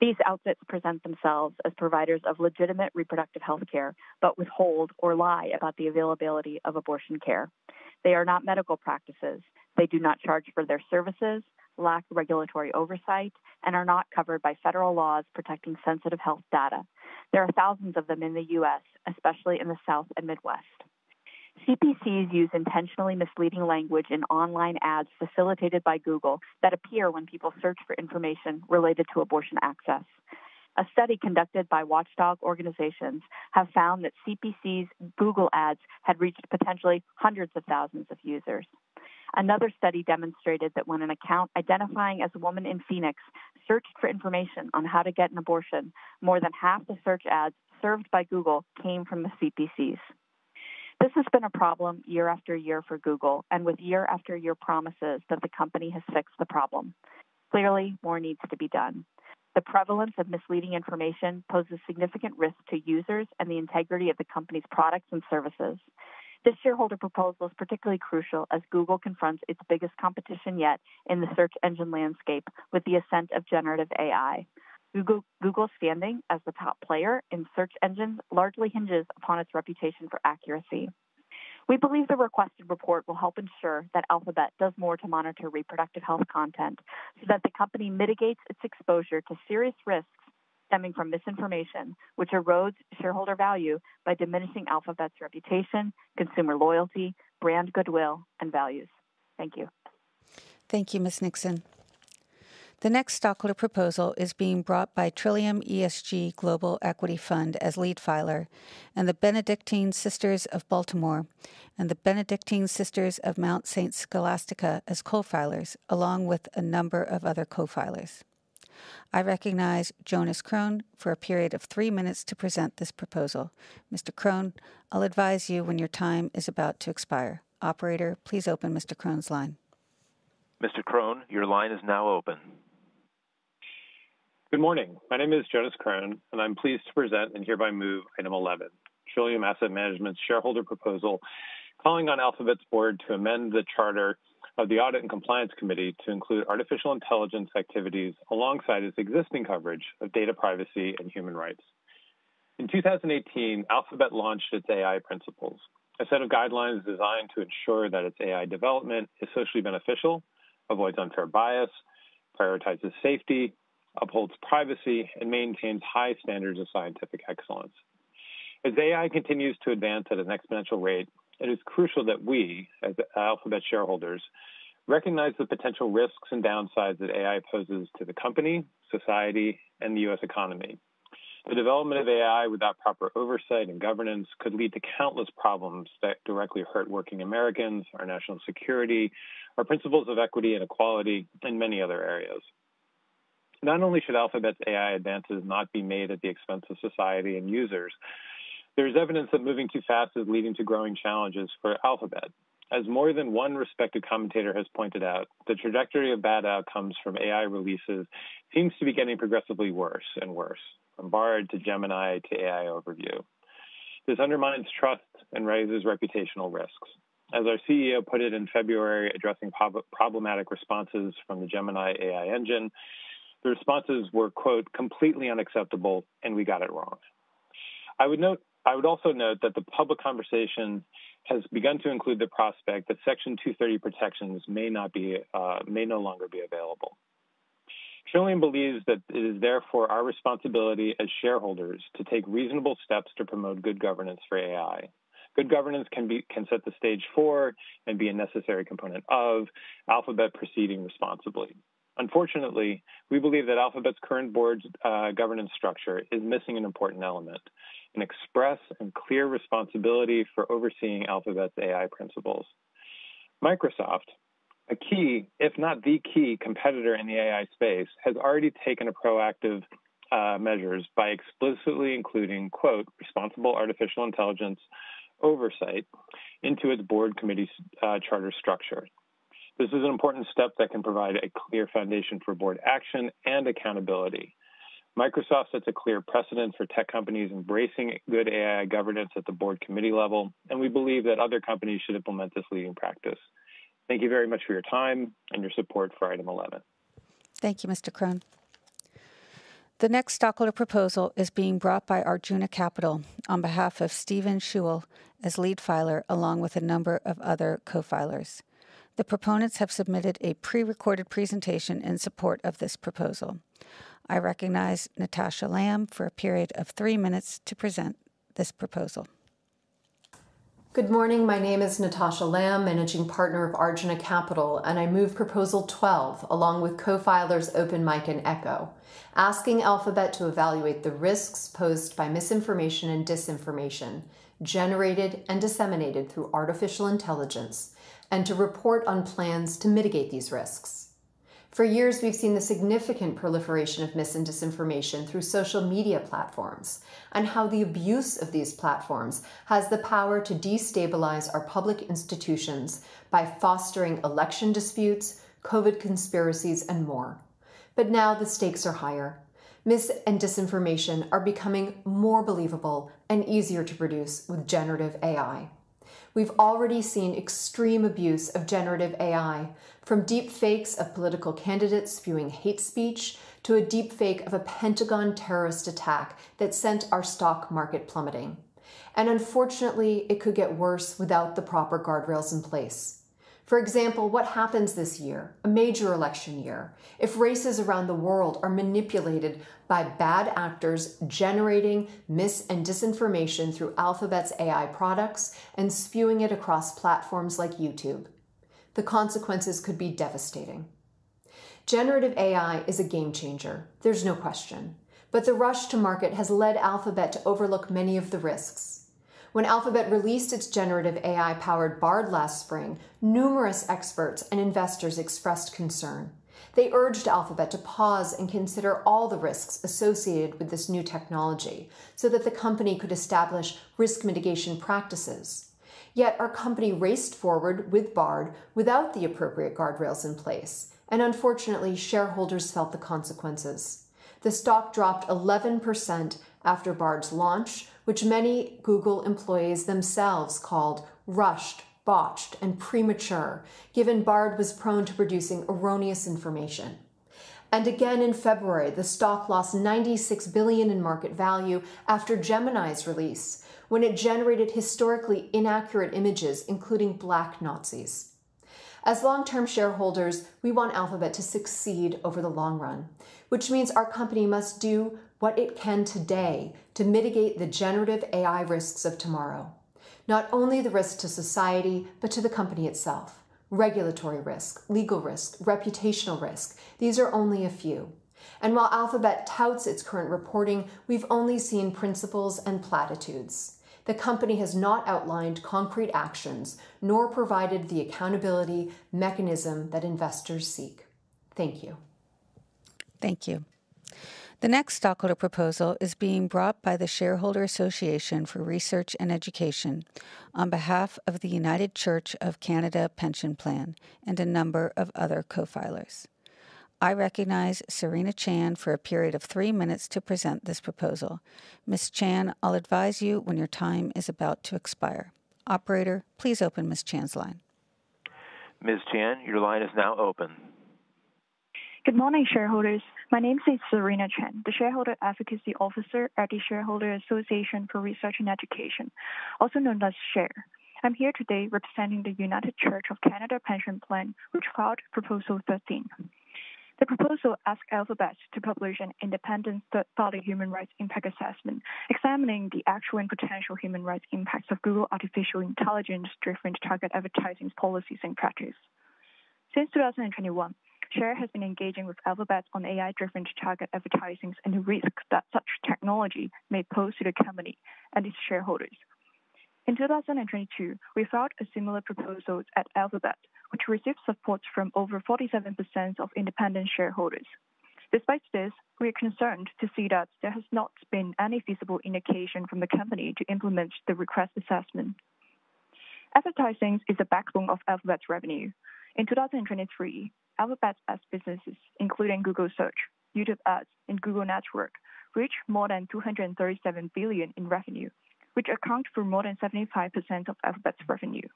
Speaker 12: These outfits present themselves as providers of legitimate reproductive health care but withhold or lie about the availability of abortion care. They are not medical practices. They do not charge for their services, lack regulatory oversight, and are not covered by federal laws protecting sensitive health data. There are thousands of them in the U.S., especially in the South and Midwest. CPCs use intentionally misleading language in online ads facilitated by Google that appear when people search for information related to abortion access. A study conducted by watchdog organizations has found that CPCs' Google ads had reached potentially hundreds of thousands of users. Another study demonstrated that when an account identifying as a woman in Phoenix searched for information on how to get an abortion, more than half the search ads served by Google came from the CPCs. This has been a problem year after year for Google and with year after year promises that the company has fixed the problem. Clearly, more needs to be done. The prevalence of misleading information poses significant risk to users and the integrity of the company's products and services. This shareholder proposal is particularly crucial as Google confronts its biggest competition yet in the search engine landscape with the ascent of generative AI. Google's standing as the top player in search engines largely hinges upon its reputation for accuracy. We believe the requested report will help ensure that Alphabet does more to monitor reproductive health content so that the company mitigates its exposure to serious risks stemming from misinformation, which erodes shareholder value by diminishing Alphabet's reputation, consumer loyalty, brand goodwill, and values. Thank you.
Speaker 4: Thank you, Ms. Nixon. The next stockholder proposal is being brought by Trillium Asset Management as lead filer and the Benedictine Sisters of Baltimore and the Benedictine Sisters of Mount St. Scholastica as co-filers along with a number of other co-filers. I recognize Jonas Kron for a period of three minutes to present this proposal. Mr. Kron, I'll advise you when your time is about to expire. Operator, please open Mr. Kron's line.
Speaker 1: Mr. Kron, your line is now open.
Speaker 13: Good morning. My name is Jonas Kron, and I'm pleased to present and hereby move item 11, Trillium Asset Management's shareholder proposal calling on Alphabet's board to amend the charter of the Audit and Compliance Committee to include artificial intelligence activities alongside its existing coverage of data privacy and human rights. In 2018, Alphabet launched its AI principles, a set of guidelines designed to ensure that its AI development is socially beneficial, avoids unfair bias, prioritizes safety, upholds privacy, and maintains high standards of scientific excellence. As AI continues to advance at an exponential rate, it is crucial that we, as Alphabet shareholders, recognize the potential risks and downsides that AI poses to the company, society, and the U.S. economy. The development of AI without proper oversight and governance could lead to countless problems that directly hurt working Americans, our national security, our principles of equity and equality, and many other areas. Not only should Alphabet's AI advances not be made at the expense of society and users, there is evidence that moving too fast is leading to growing challenges for Alphabet. As more than one respected commentator has pointed out, the trajectory of bad outcomes from AI releases seems to be getting progressively worse and worse, from Bard to Gemini to AI Overview. This undermines trust and raises reputational risks. As our CEO put it in February addressing problematic responses from the Gemini AI engine, the responses were, quote, "completely unacceptable," and we got it wrong. I would also note that the public conversation has begun to include the prospect that Section 230 protections may no longer be available. Trillium believes that it is therefore our responsibility as shareholders to take reasonable steps to promote good governance for AI. Good governance can set the stage for and be a necessary component of Alphabet proceeding responsibly. Unfortunately, we believe that Alphabet's current board's governance structure is missing an important element: an express and clear responsibility for overseeing Alphabet's AI principles. Microsoft, a key, if not the key, competitor in the AI space, has already taken proactive measures by explicitly including, quote, "responsible artificial intelligence oversight" into its board committee charter structure. This is an important step that can provide a clear foundation for board action and accountability. Microsoft sets a clear precedent for tech companies embracing good AI governance at the board committee level, and we believe that other companies should implement this leading practice. Thank you very much for your time and your support for item 11.
Speaker 4: Thank you, Mr. Kron. The next stockholder proposal is being brought by Arjuna Capital on behalf of Stephen Schewel as lead filer along with a number of other co-filers. The proponents have submitted a prerecorded presentation in support of this proposal. I recognize Natasha Lamb for a period of three minutes to present this proposal.
Speaker 14: Good morning. My name is Natasha Lamb, managing partner of Arjuna Capital, and I move proposal 12 along with co-filers Open MIC and Ekō asking Alphabet to evaluate the risks posed by misinformation and disinformation generated and disseminated through artificial intelligence and to report on plans to mitigate these risks. For years, we've seen the significant proliferation of mis- and disinformation through social media platforms and how the abuse of these platforms has the power to destabilize our public institutions by fostering election disputes, COVID conspiracies, and more. But now the stakes are higher. Mis- and disinformation are becoming more believable and easier to produce with generative AI. We've already seen extreme abuse of generative AI, from deep fakes of political candidates spewing hate speech to a deep fake of a Pentagon explosion that sent our stock market plummeting. Unfortunately, it could get worse without the proper guardrails in place. For example, what happens this year, a major election year, if races around the world are manipulated by bad actors generating mis- and disinformation through Alphabet's AI products and spewing it across platforms like YouTube? The consequences could be devastating. Generative AI is a game changer. There's no question. But the rush to market has led Alphabet to overlook many of the risks. When Alphabet released its generative AI-powered Bard last spring, numerous experts and investors expressed concern. They urged Alphabet to pause and consider all the risks associated with this new technology so that the company could establish risk mitigation practices. Yet our company raced forward with Bard without the appropriate guardrails in place, and unfortunately, shareholders felt the consequences. The stock dropped 11% after Bard's launch, which many Google employees themselves called rushed, botched, and premature, given Bard was prone to producing erroneous information, and again in February, the stock lost $96 billion in market value after Gemini's release when it generated historically inaccurate images, including Black Nazis. As long-term shareholders, we want Alphabet to succeed over the long run, which means our company must do what it can today to mitigate the generative AI risks of tomorrow. Not only the risk to society, but to the company itself. Regulatory risk, legal risk, reputational risk, these are only a few, and while Alphabet touts its current reporting, we've only seen principles and platitudes. The company has not outlined concrete actions nor provided the accountability mechanism that investors seek. Thank you.
Speaker 4: Thank you. The next stockholder proposal is being brought by the Shareholder Association for Research and Education on behalf of the United Church of Canada Pension Plan and a number of other co-filers. I recognize Serena Chan for a period of three minutes to present this proposal. Ms. Chan, I'll advise you when your time is about to expire. Operator, please open Ms. Chan's line.
Speaker 1: Ms. Chan, your line is now open.
Speaker 15: Good morning, shareholders. My name is Serena Chan, the Shareholder Advocacy Officer at the Shareholder Association for Research and Education, also known as SHARE. I'm here today representing the United Church of Canada Pension Plan, which filed proposal 13. The proposal asks Alphabet to publish an independent third-party human rights impact assessment examining the actual and potential human rights impacts of Google's artificial intelligence-driven targeted advertising policies and practices. Since 2021, SHARE has been engaging with Alphabet on AI-driven targeted advertising and the risks that such technology may pose to the company and its shareholders. In 2022, we filed a similar proposal at Alphabet, which received support from over 47% of independent shareholders. Despite this, we are concerned to see that there has not been any visible indication from the company to implement the requested assessment. Advertising is the backbone of Alphabet's revenue. In 2023, Alphabet's ad businesses, including Google Search, YouTube Ads, and Google Network, reached more than $237 billion in revenue, which accounts for more than 75% of Alphabet's revenue.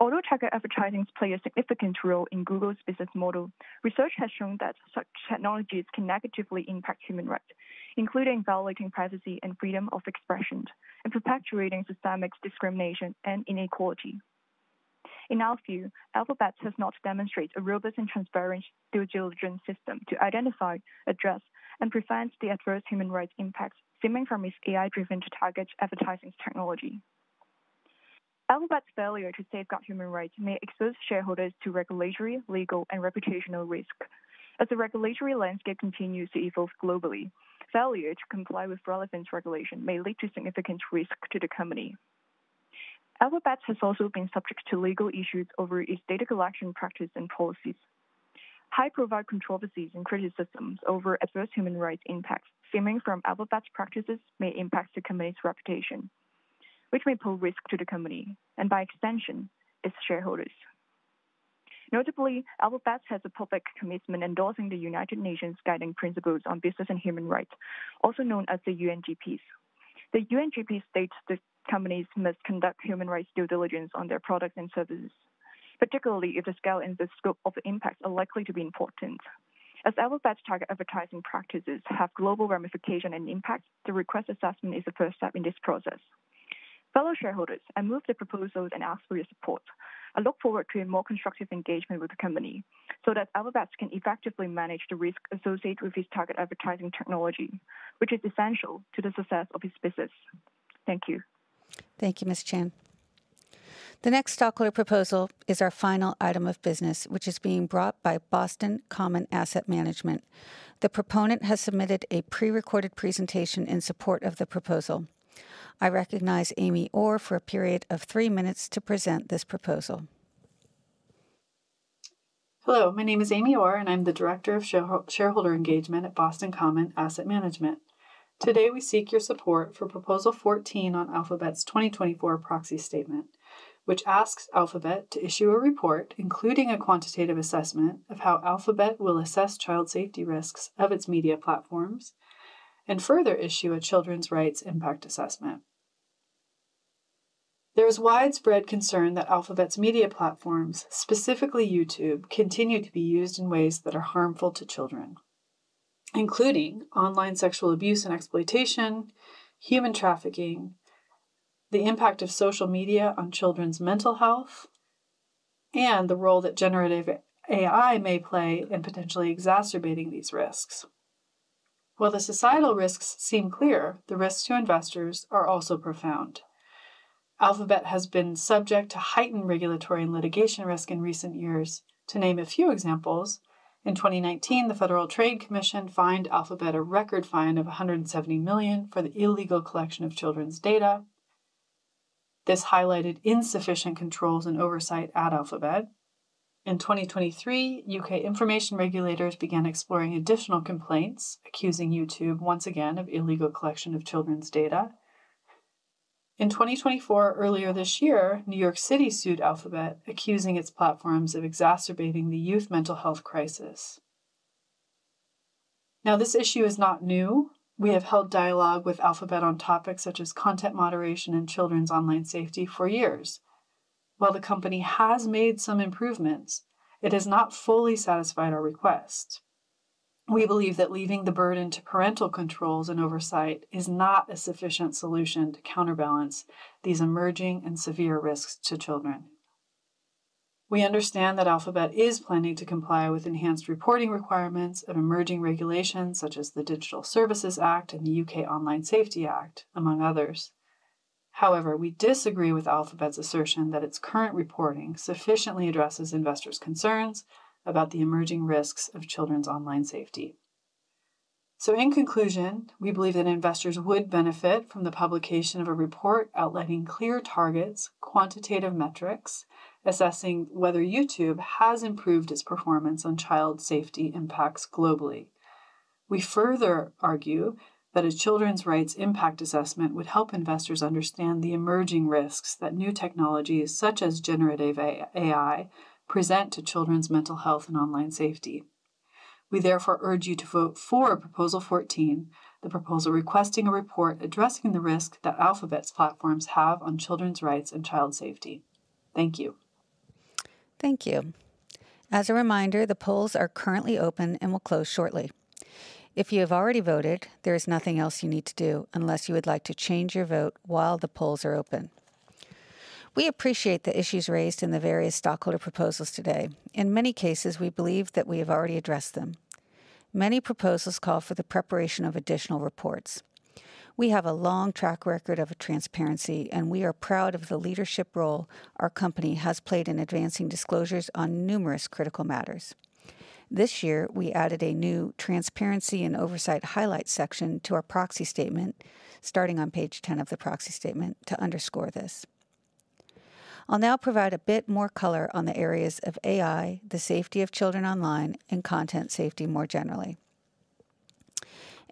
Speaker 15: Although targeted advertising plays a significant role in Google's business model, research has shown that such technologies can negatively impact human rights, including violating privacy and freedom of expression and perpetuating systemic discrimination and inequality. In our view, Alphabet does not demonstrate a robust and transparent due diligence system to identify, address, and prevent the adverse human rights impacts stemming from its AI-driven targeted advertising technology. Alphabet's failure to safeguard human rights may expose shareholders to regulatory, legal, and reputational risk. As the regulatory landscape continues to evolve globally, failure to comply with relevant regulation may lead to significant risk to the company. Alphabet has also been subject to legal issues over its data collection practices and policies. Highlight controversies and criticisms over adverse human rights impacts stemming from Alphabet's practices may impact the company's reputation, which may pose risk to the company and, by extension, its shareholders. Notably, Alphabet has a public commitment endorsing the United Nations Guiding Principles on Business and Human Rights, also known as the UNGPs. The UNGPs state that companies must conduct human rights due diligence on their products and services, particularly if the scale and the scope of impacts are likely to be important. As Alphabet's targeted advertising practices have global ramifications and impacts, the requested assessment is the first step in this process. Fellow shareholders, I move the proposal and ask for your support. I look forward to a more constructive engagement with the company so that Alphabet can effectively manage the risks associated with its targeted advertising technology, which is essential to the success of its business. Thank you.
Speaker 4: Thank you, Ms. Chan. The next stockholder proposal is our final item of business, which is being brought by Boston Common Asset Management. The proponent has submitted a prerecorded presentation in support of the proposal. I recognize Amy Orr for a period of three minutes to present this proposal.
Speaker 16: Hello. My name is Amy Orr, and I'm the Director of Shareholder Engagement at Boston Common Asset Management. Today, we seek your support for proposal 14 on Alphabet's 2024 proxy statement, which asks Alphabet to issue a report including a quantitative assessment of how Alphabet will assess child safety risks of its media platforms and further issue a children's rights impact assessment. There is widespread concern that Alphabet's media platforms, specifically YouTube, continue to be used in ways that are harmful to children, including online sexual abuse and exploitation, human trafficking, the impact of social media on children's mental health, and the role that generative AI may play in potentially exacerbating these risks. While the societal risks seem clear, the risks to investors are also profound. Alphabet has been subject to heightened regulatory and litigation risk in recent years. To name a few examples, in 2019, the Federal Trade Commission fined Alphabet a record fine of $170 million for the illegal collection of children's data. This highlighted insufficient controls and oversight at Alphabet. In 2023, U.K. information regulators began exploring additional complaints, accusing YouTube once again of illegal collection of children's data. In 2024, earlier this year, New York City sued Alphabet, accusing its platforms of exacerbating the youth mental health crisis. Now, this issue is not new. We have held dialogue with Alphabet on topics such as content moderation and children's online safety for years. While the company has made some improvements, it has not fully satisfied our request. We believe that leaving the burden to parental controls and oversight is not a sufficient solution to counterbalance these emerging and severe risks to children. We understand that Alphabet is planning to comply with enhanced reporting requirements of emerging regulations such as the Digital Services Act and the U.K. Online Safety Act, among others. However, we disagree with Alphabet's assertion that its current reporting sufficiently addresses investors' concerns about the emerging risks of children's online safety. So, in conclusion, we believe that investors would benefit from the publication of a report outlining clear targets, quantitative metrics, assessing whether YouTube has improved its performance on child safety impacts globally. We further argue that a children's rights impact assessment would help investors understand the emerging risks that new technologies such as generative AI present to children's mental health and online safety. We therefore urge you to vote for proposal 14, the proposal requesting a report addressing the risks that Alphabet's platforms have on children's rights and child safety. Thank you.
Speaker 4: Thank you. As a reminder, the polls are currently open and will close shortly. If you have already voted, there is nothing else you need to do unless you would like to change your vote while the polls are open. We appreciate the issues raised in the various stockholder proposals today. In many cases, we believe that we have already addressed them. Many proposals call for the preparation of additional reports. We have a long track record of transparency, and we are proud of the leadership role our company has played in advancing disclosures on numerous critical matters. This year, we added a new transparency and oversight highlight section to our proxy statement, starting on page 10 of the proxy statement, to underscore this. I'll now provide a bit more color on the areas of AI, the safety of children online, and content safety more generally.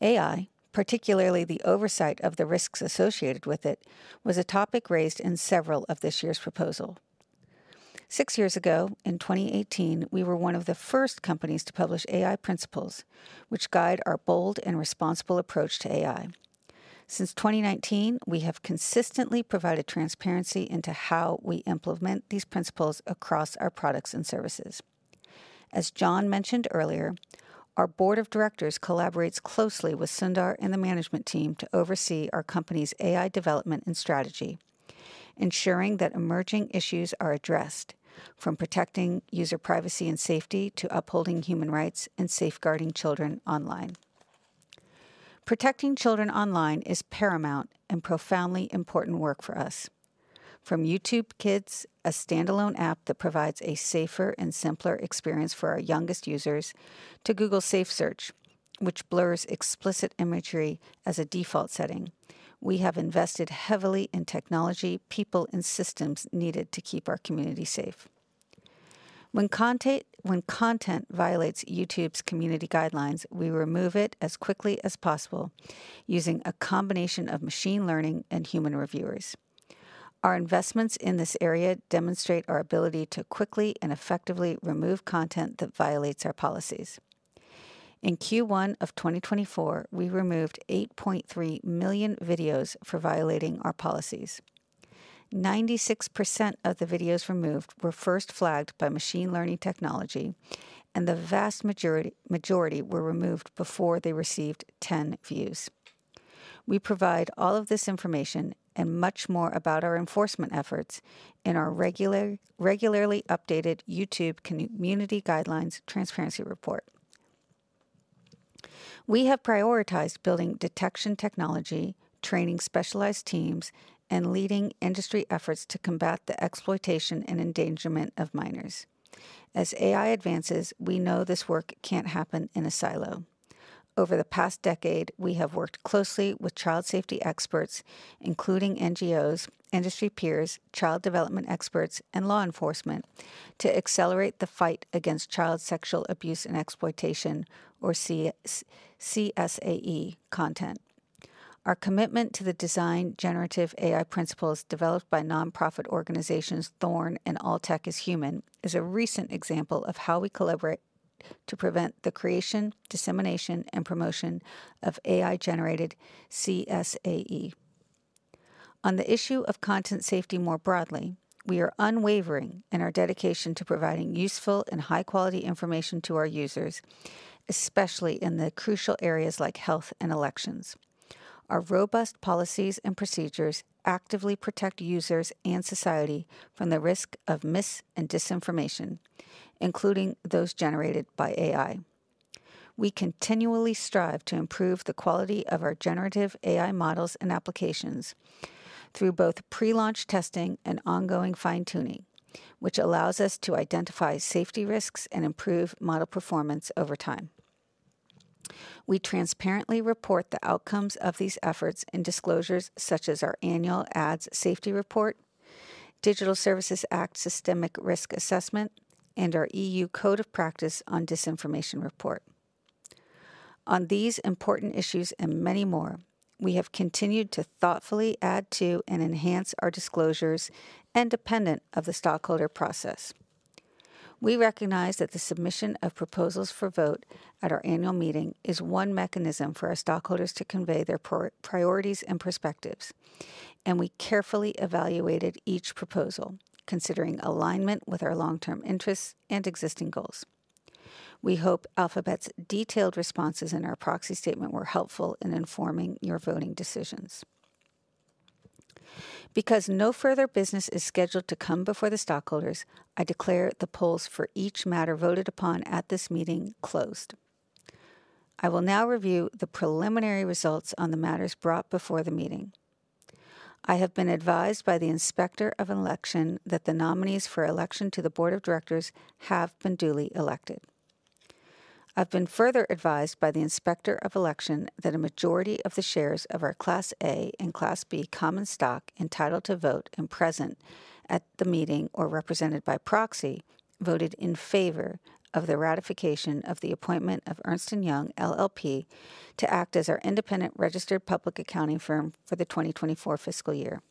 Speaker 4: AI, particularly the oversight of the risks associated with it, was a topic raised in several of this year's proposals. Six years ago, in 2018, we were one of the first companies to publish AI principles, which guide our bold and responsible approach to AI. Since 2019, we have consistently provided transparency into how we implement these principles across our products and services. As John mentioned earlier, our board of directors collaborates closely with Sundar and the management team to oversee our company's AI development and strategy, ensuring that emerging issues are addressed, from protecting user privacy and safety to upholding human rights and safeguarding children online. Protecting children online is paramount and profoundly important work for us. From YouTube Kids, a standalone app that provides a safer and simpler experience for our youngest users, to Google SafeSearch, which blurs explicit imagery as a default setting, we have invested heavily in technology, people, and systems needed to keep our community safe. When content violates YouTube's community guidelines, we remove it as quickly as possible using a combination of machine learning and human reviewers. Our investments in this area demonstrate our ability to quickly and effectively remove content that violates our policies. In Q1 of 2024, we removed 8.3 million videos for violating our policies. 96% of the videos removed were first flagged by machine learning technology, and the vast majority were removed before they received 10 views. We provide all of this information and much more about our enforcement efforts in our regularly updated YouTube Community Guidelines Transparency Report. We have prioritized building detection technology, training specialized teams, and leading industry efforts to combat the exploitation and endangerment of minors. As AI advances, we know this work can't happen in a silo. Over the past decade, we have worked closely with child safety experts, including NGOs, industry peers, child development experts, and law enforcement to accelerate the fight against child sexual abuse and exploitation, or CSAE, content. Our commitment to the design of generative AI principles developed by nonprofit organizations Thorn and All Tech Is Human is a recent example of how we collaborate to prevent the creation, dissemination, and promotion of AI-generated CSAE. On the issue of content safety more broadly, we are unwavering in our dedication to providing useful and high-quality information to our users, especially in the crucial areas like health and elections. Our robust policies and procedures actively protect users and society from the risk of mis- and disinformation, including those generated by AI. We continually strive to improve the quality of our generative AI models and applications through both pre-launch testing and ongoing fine-tuning, which allows us to identify safety risks and improve model performance over time. We transparently report the outcomes of these efforts in disclosures such as our annual Ads Safety Report, Digital Services Act Systemic Risk Assessment, and our EU Code of Practice on Disinformation Report. On these important issues and many more, we have continued to thoughtfully add to and enhance our disclosures in response to the stockholder process. We recognize that the submission of proposals for vote at our annual meeting is one mechanism for our stockholders to convey their priorities and perspectives, and we carefully evaluated each proposal, considering alignment with our long-term interests and existing goals. We hope Alphabet's detailed responses in our proxy statement were helpful in informing your voting decisions. Because no further business is scheduled to come before the stockholders, I declare the polls for each matter voted upon at this meeting closed. I will now review the preliminary results on the matters brought before the meeting. I have been advised by the inspector of election that the nominees for election to the board of directors have been duly elected. I've been further advised by the inspector of election that a majority of the shares of our Class A and Class B common stock entitled to vote and present at the meeting or represented by proxy voted in favor of the ratification of the appointment of Ernst & Young LLP to act as our independent registered public accounting firm for the 2024 fiscal year.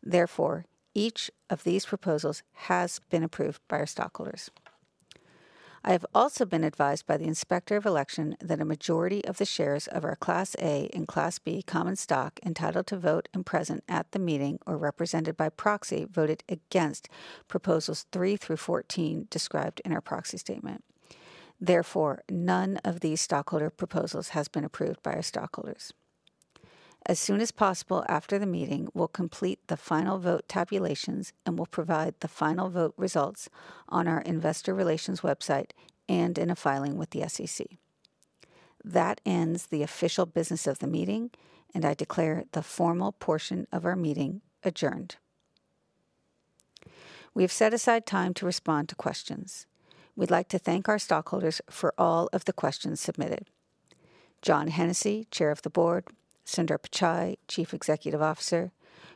Speaker 4: Therefore, each of these proposals has been approved by our stockholders. I have also been advised by the inspector of election that a majority of the shares of our Class A and Class B common stock entitled to vote and present at the meeting or represented by proxy voted against proposals 3 through 14 described in our proxy statement. Therefore, none of these stockholder proposals has been approved by our stockholders. As soon as possible after the meeting, we'll complete the final vote tabulations and we'll provide the final vote results on our investor relations website and in a filing with the SEC. That ends the official business of the meeting, and I declare the formal portion of our meeting adjourned. We have set aside time to respond to questions. We'd like to thank our stockholders for all of the questions submitted: John Hennessy, Chair of the Board, Sundar Pichai, Chief Executive Officer,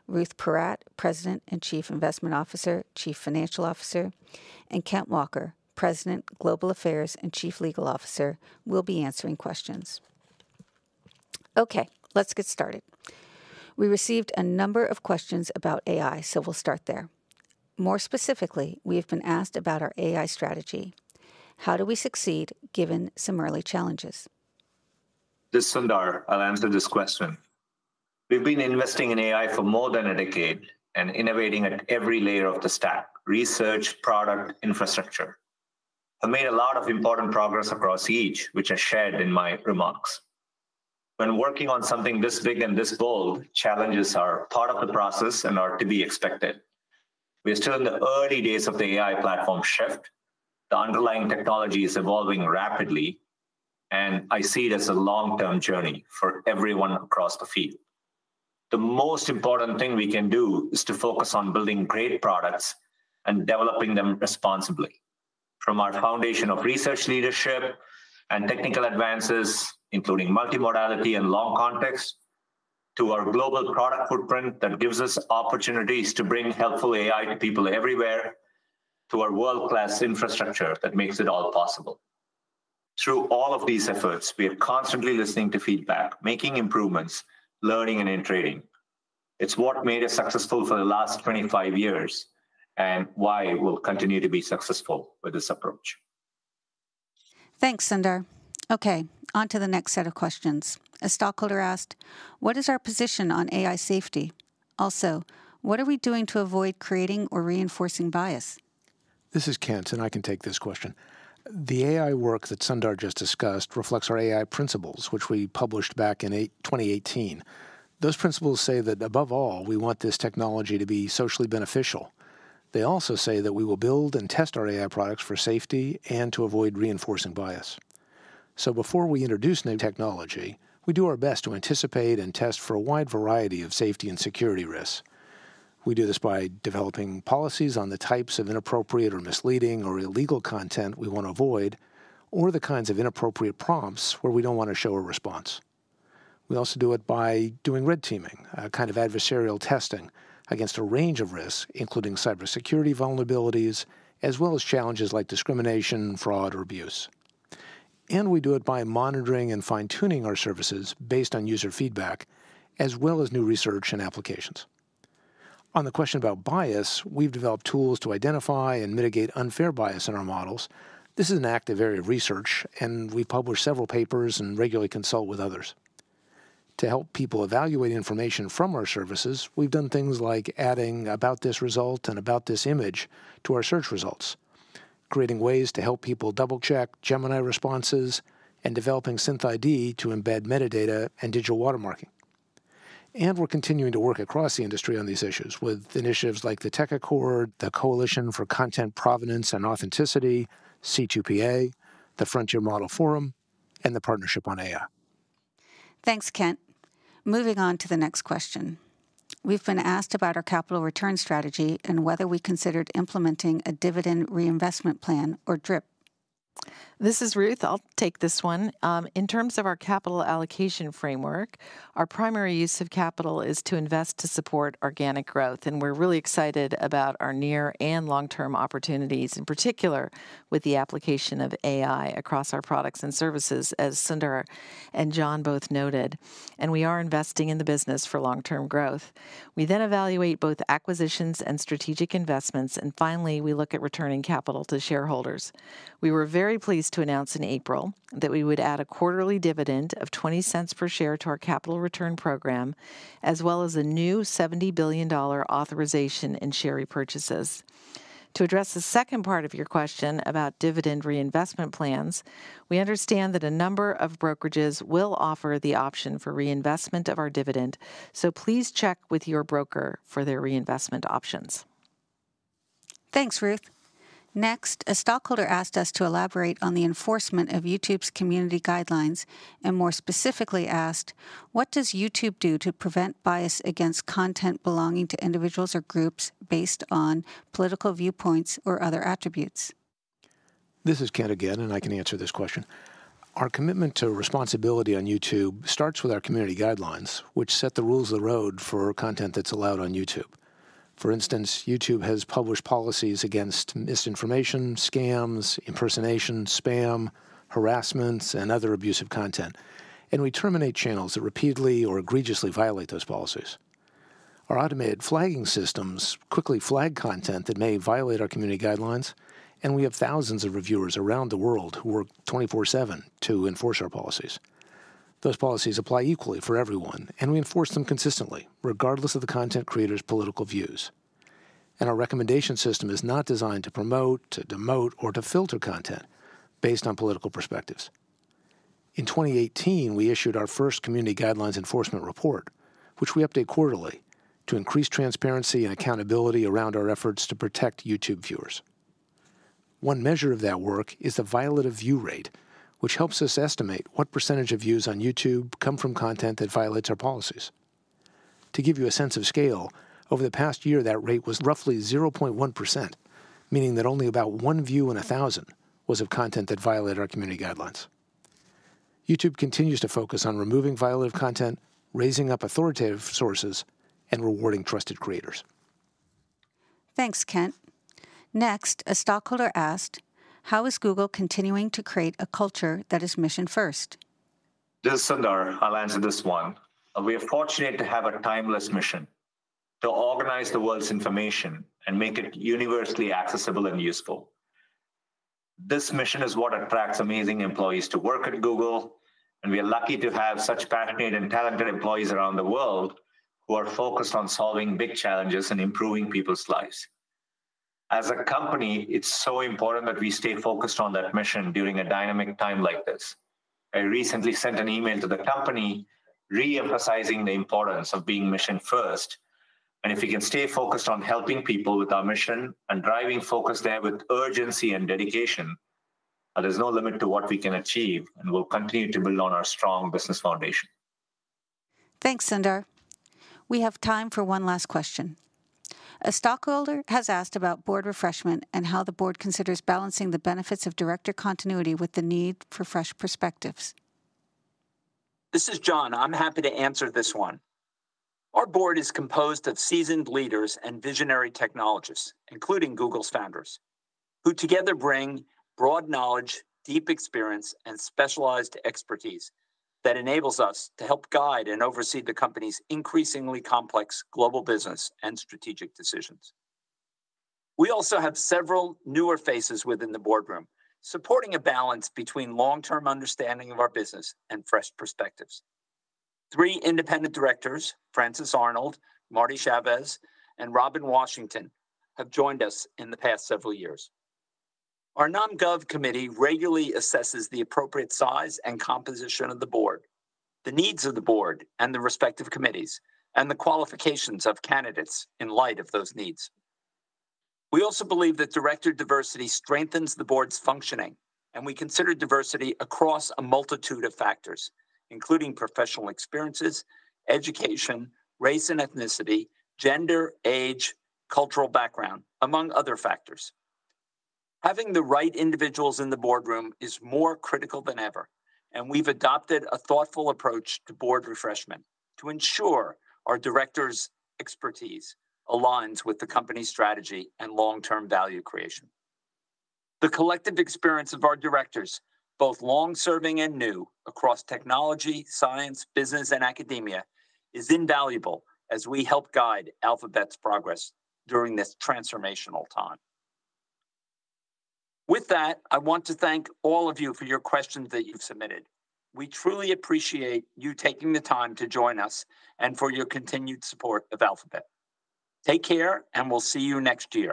Speaker 4: Ruth Porat, President and Chief Investment Officer, Chief Financial Officer, and Kent Walker, President, Global Affairs, and Chief Legal Officer, will be answering questions. Okay, let's get started. We received a number of questions about AI, so we'll start there. More specifically, we have been asked about our AI strategy. How do we succeed given some early challenges?
Speaker 3: This is Sundar. I'll answer this question. We've been investing in AI for more than a decade and innovating at every layer of the stack: research, product, infrastructure. I've made a lot of important progress across each, which I shared in my remarks. When working on something this big and this bold, challenges are part of the process and are to be expected. We are still in the early days of the AI platform shift. The underlying technology is evolving rapidly, and I see it as a long-term journey for everyone across the field. The most important thing we can do is to focus on building great products and developing them responsibly. From our foundation of research leadership and technical advances, including multimodality and long context, to our global product footprint that gives us opportunities to bring helpful AI to people everywhere, to our world-class infrastructure that makes it all possible. Through all of these efforts, we are constantly listening to feedback, making improvements, learning, and iterating. It's what made us successful for the last 25 years and why we'll continue to be successful with this approach.
Speaker 4: Thanks, Sundar. Okay, on to the next set of questions. A stockholder asked, what is our position on AI safety? Also, what are we doing to avoid creating or reinforcing bias?
Speaker 17: This is Kent, and I can take this question. The AI work that Sundar just discussed reflects our AI principles, which we published back in 2018. Those principles say that above all, we want this technology to be socially beneficial. They also say that we will build and test our AI products for safety and to avoid reinforcing bias. So before we introduce new technology, we do our best to anticipate and test for a wide variety of safety and security risks. We do this by developing policies on the types of inappropriate or misleading or illegal content we want to avoid, or the kinds of inappropriate prompts where we don't want to show a response. We also do it by doing red teaming, a kind of adversarial testing against a range of risks, including cybersecurity vulnerabilities, as well as challenges like discrimination, fraud, or abuse. We do it by monitoring and fine-tuning our services based on user feedback, as well as new research and applications. On the question about bias, we've developed tools to identify and mitigate unfair bias in our models. This is an active area of research, and we publish several papers and regularly consult with others. To help people evaluate information from our services, we've done things like adding About This Result and About This Image to our search results, creating ways to help people double-check Gemini responses, and developing SynthID to embed metadata and digital watermarking. We're continuing to work across the industry on these issues with initiatives like the Tech Accord, the Coalition for Content Provenance and Authenticity, C2PA, the Frontier Model Forum, and the Partnership on AI.
Speaker 4: Thanks, Kent. Moving on to the next question. We've been asked about our capital return strategy and whether we considered implementing a dividend reinvestment plan or DRIP.
Speaker 18: This is Ruth. I'll take this one. In terms of our capital allocation framework, our primary use of capital is to invest to support organic growth, and we're really excited about our near and long-term opportunities, in particular with the application of AI across our products and services, as Sundar and John both noted, and we are investing in the business for long-term growth. We then evaluate both acquisitions and strategic investments, and finally, we look at returning capital to shareholders. We were very pleased to announce in April that we would add a quarterly dividend of $0.20 per share to our capital return program, as well as a new $70 billion authorization in share repurchases. To address the second part of your question about dividend reinvestment plans, we understand that a number of brokerages will offer the option for reinvestment of our dividend, so please check with your broker for their reinvestment options.
Speaker 4: Thanks, Ruth. Next, a stockholder asked us to elaborate on the enforcement of YouTube's community guidelines and more specifically asked, what does YouTube do to prevent bias against content belonging to individuals or groups based on political viewpoints or other attributes?
Speaker 17: This is Kent again, and I can answer this question. Our commitment to responsibility on YouTube starts with our community guidelines, which set the rules of the road for content that's allowed on YouTube. For instance, YouTube has published policies against misinformation, scams, impersonation, spam, harassment, and other abusive content, and we terminate channels that repeatedly or egregiously violate those policies. Our automated flagging systems quickly flag content that may violate our community guidelines, and we have thousands of reviewers around the world who work 24/7 to enforce our policies. Those policies apply equally for everyone, and we enforce them consistently, regardless of the content creator's political views, and our recommendation system is not designed to promote, to demote, or to filter content based on political perspectives. In 2018, we issued our first community guidelines enforcement report, which we update quarterly to increase transparency and accountability around our efforts to protect YouTube viewers. One measure of that work is the violative view rate, which helps us estimate what percentage of views on YouTube come from content that violates our policies. To give you a sense of scale, over the past year, that rate was roughly 0.1%, meaning that only about one view in a thousand was of content that violated our community guidelines. YouTube continues to focus on removing violative content, raising up authoritative sources, and rewarding trusted creators.
Speaker 4: Thanks, Kent. Next, a stockholder asked, how is Google continuing to create a culture that is mission-first?
Speaker 3: This is Sundar. I'll answer this one. We are fortunate to have a timeless mission to organize the world's information and make it universally accessible and useful. This mission is what attracts amazing employees to work at Google, and we are lucky to have such passionate and talented employees around the world who are focused on solving big challenges and improving people's lives. As a company, it's so important that we stay focused on that mission during a dynamic time like this. I recently sent an email to the company reemphasizing the importance of being mission-first, and if we can stay focused on helping people with our mission and driving focus there with urgency and dedication, there's no limit to what we can achieve, and we'll continue to build on our strong business foundation.
Speaker 4: Thanks, Sundar. We have time for one last question. A stockholder has asked about board refreshment and how the board considers balancing the benefits of director continuity with the need for fresh perspectives.
Speaker 2: This is John. I'm happy to answer this one. Our board is composed of seasoned leaders and visionary technologists, including Google's founders, who together bring broad knowledge, deep experience, and specialized expertise that enables us to help guide and oversee the company's increasingly complex global business and strategic decisions. We also have several newer faces within the boardroom, supporting a balance between long-term understanding of our business and fresh perspectives. Three independent directors, Frances Arnold, Marty Chavez, and Robin Washington, have joined us in the past several years. Our Nominations Committee regularly assesses the appropriate size and composition of the board, the needs of the board and the respective committees, and the qualifications of candidates in light of those needs. We also believe that director diversity strengthens the board's functioning, and we consider diversity across a multitude of factors, including professional experiences, education, race and ethnicity, gender, age, cultural background, among other factors. Having the right individuals in the boardroom is more critical than ever, and we've adopted a thoughtful approach to board refreshment to ensure our directors' expertise aligns with the company's strategy and long-term value creation. The collective experience of our directors, both long-serving and new, across technology, science, business, and academia, is invaluable as we help guide Alphabet's progress during this transformational time. With that, I want to thank all of you for your questions that you've submitted. We truly appreciate you taking the time to join us and for your continued support of Alphabet. Take care, and we'll see you next year.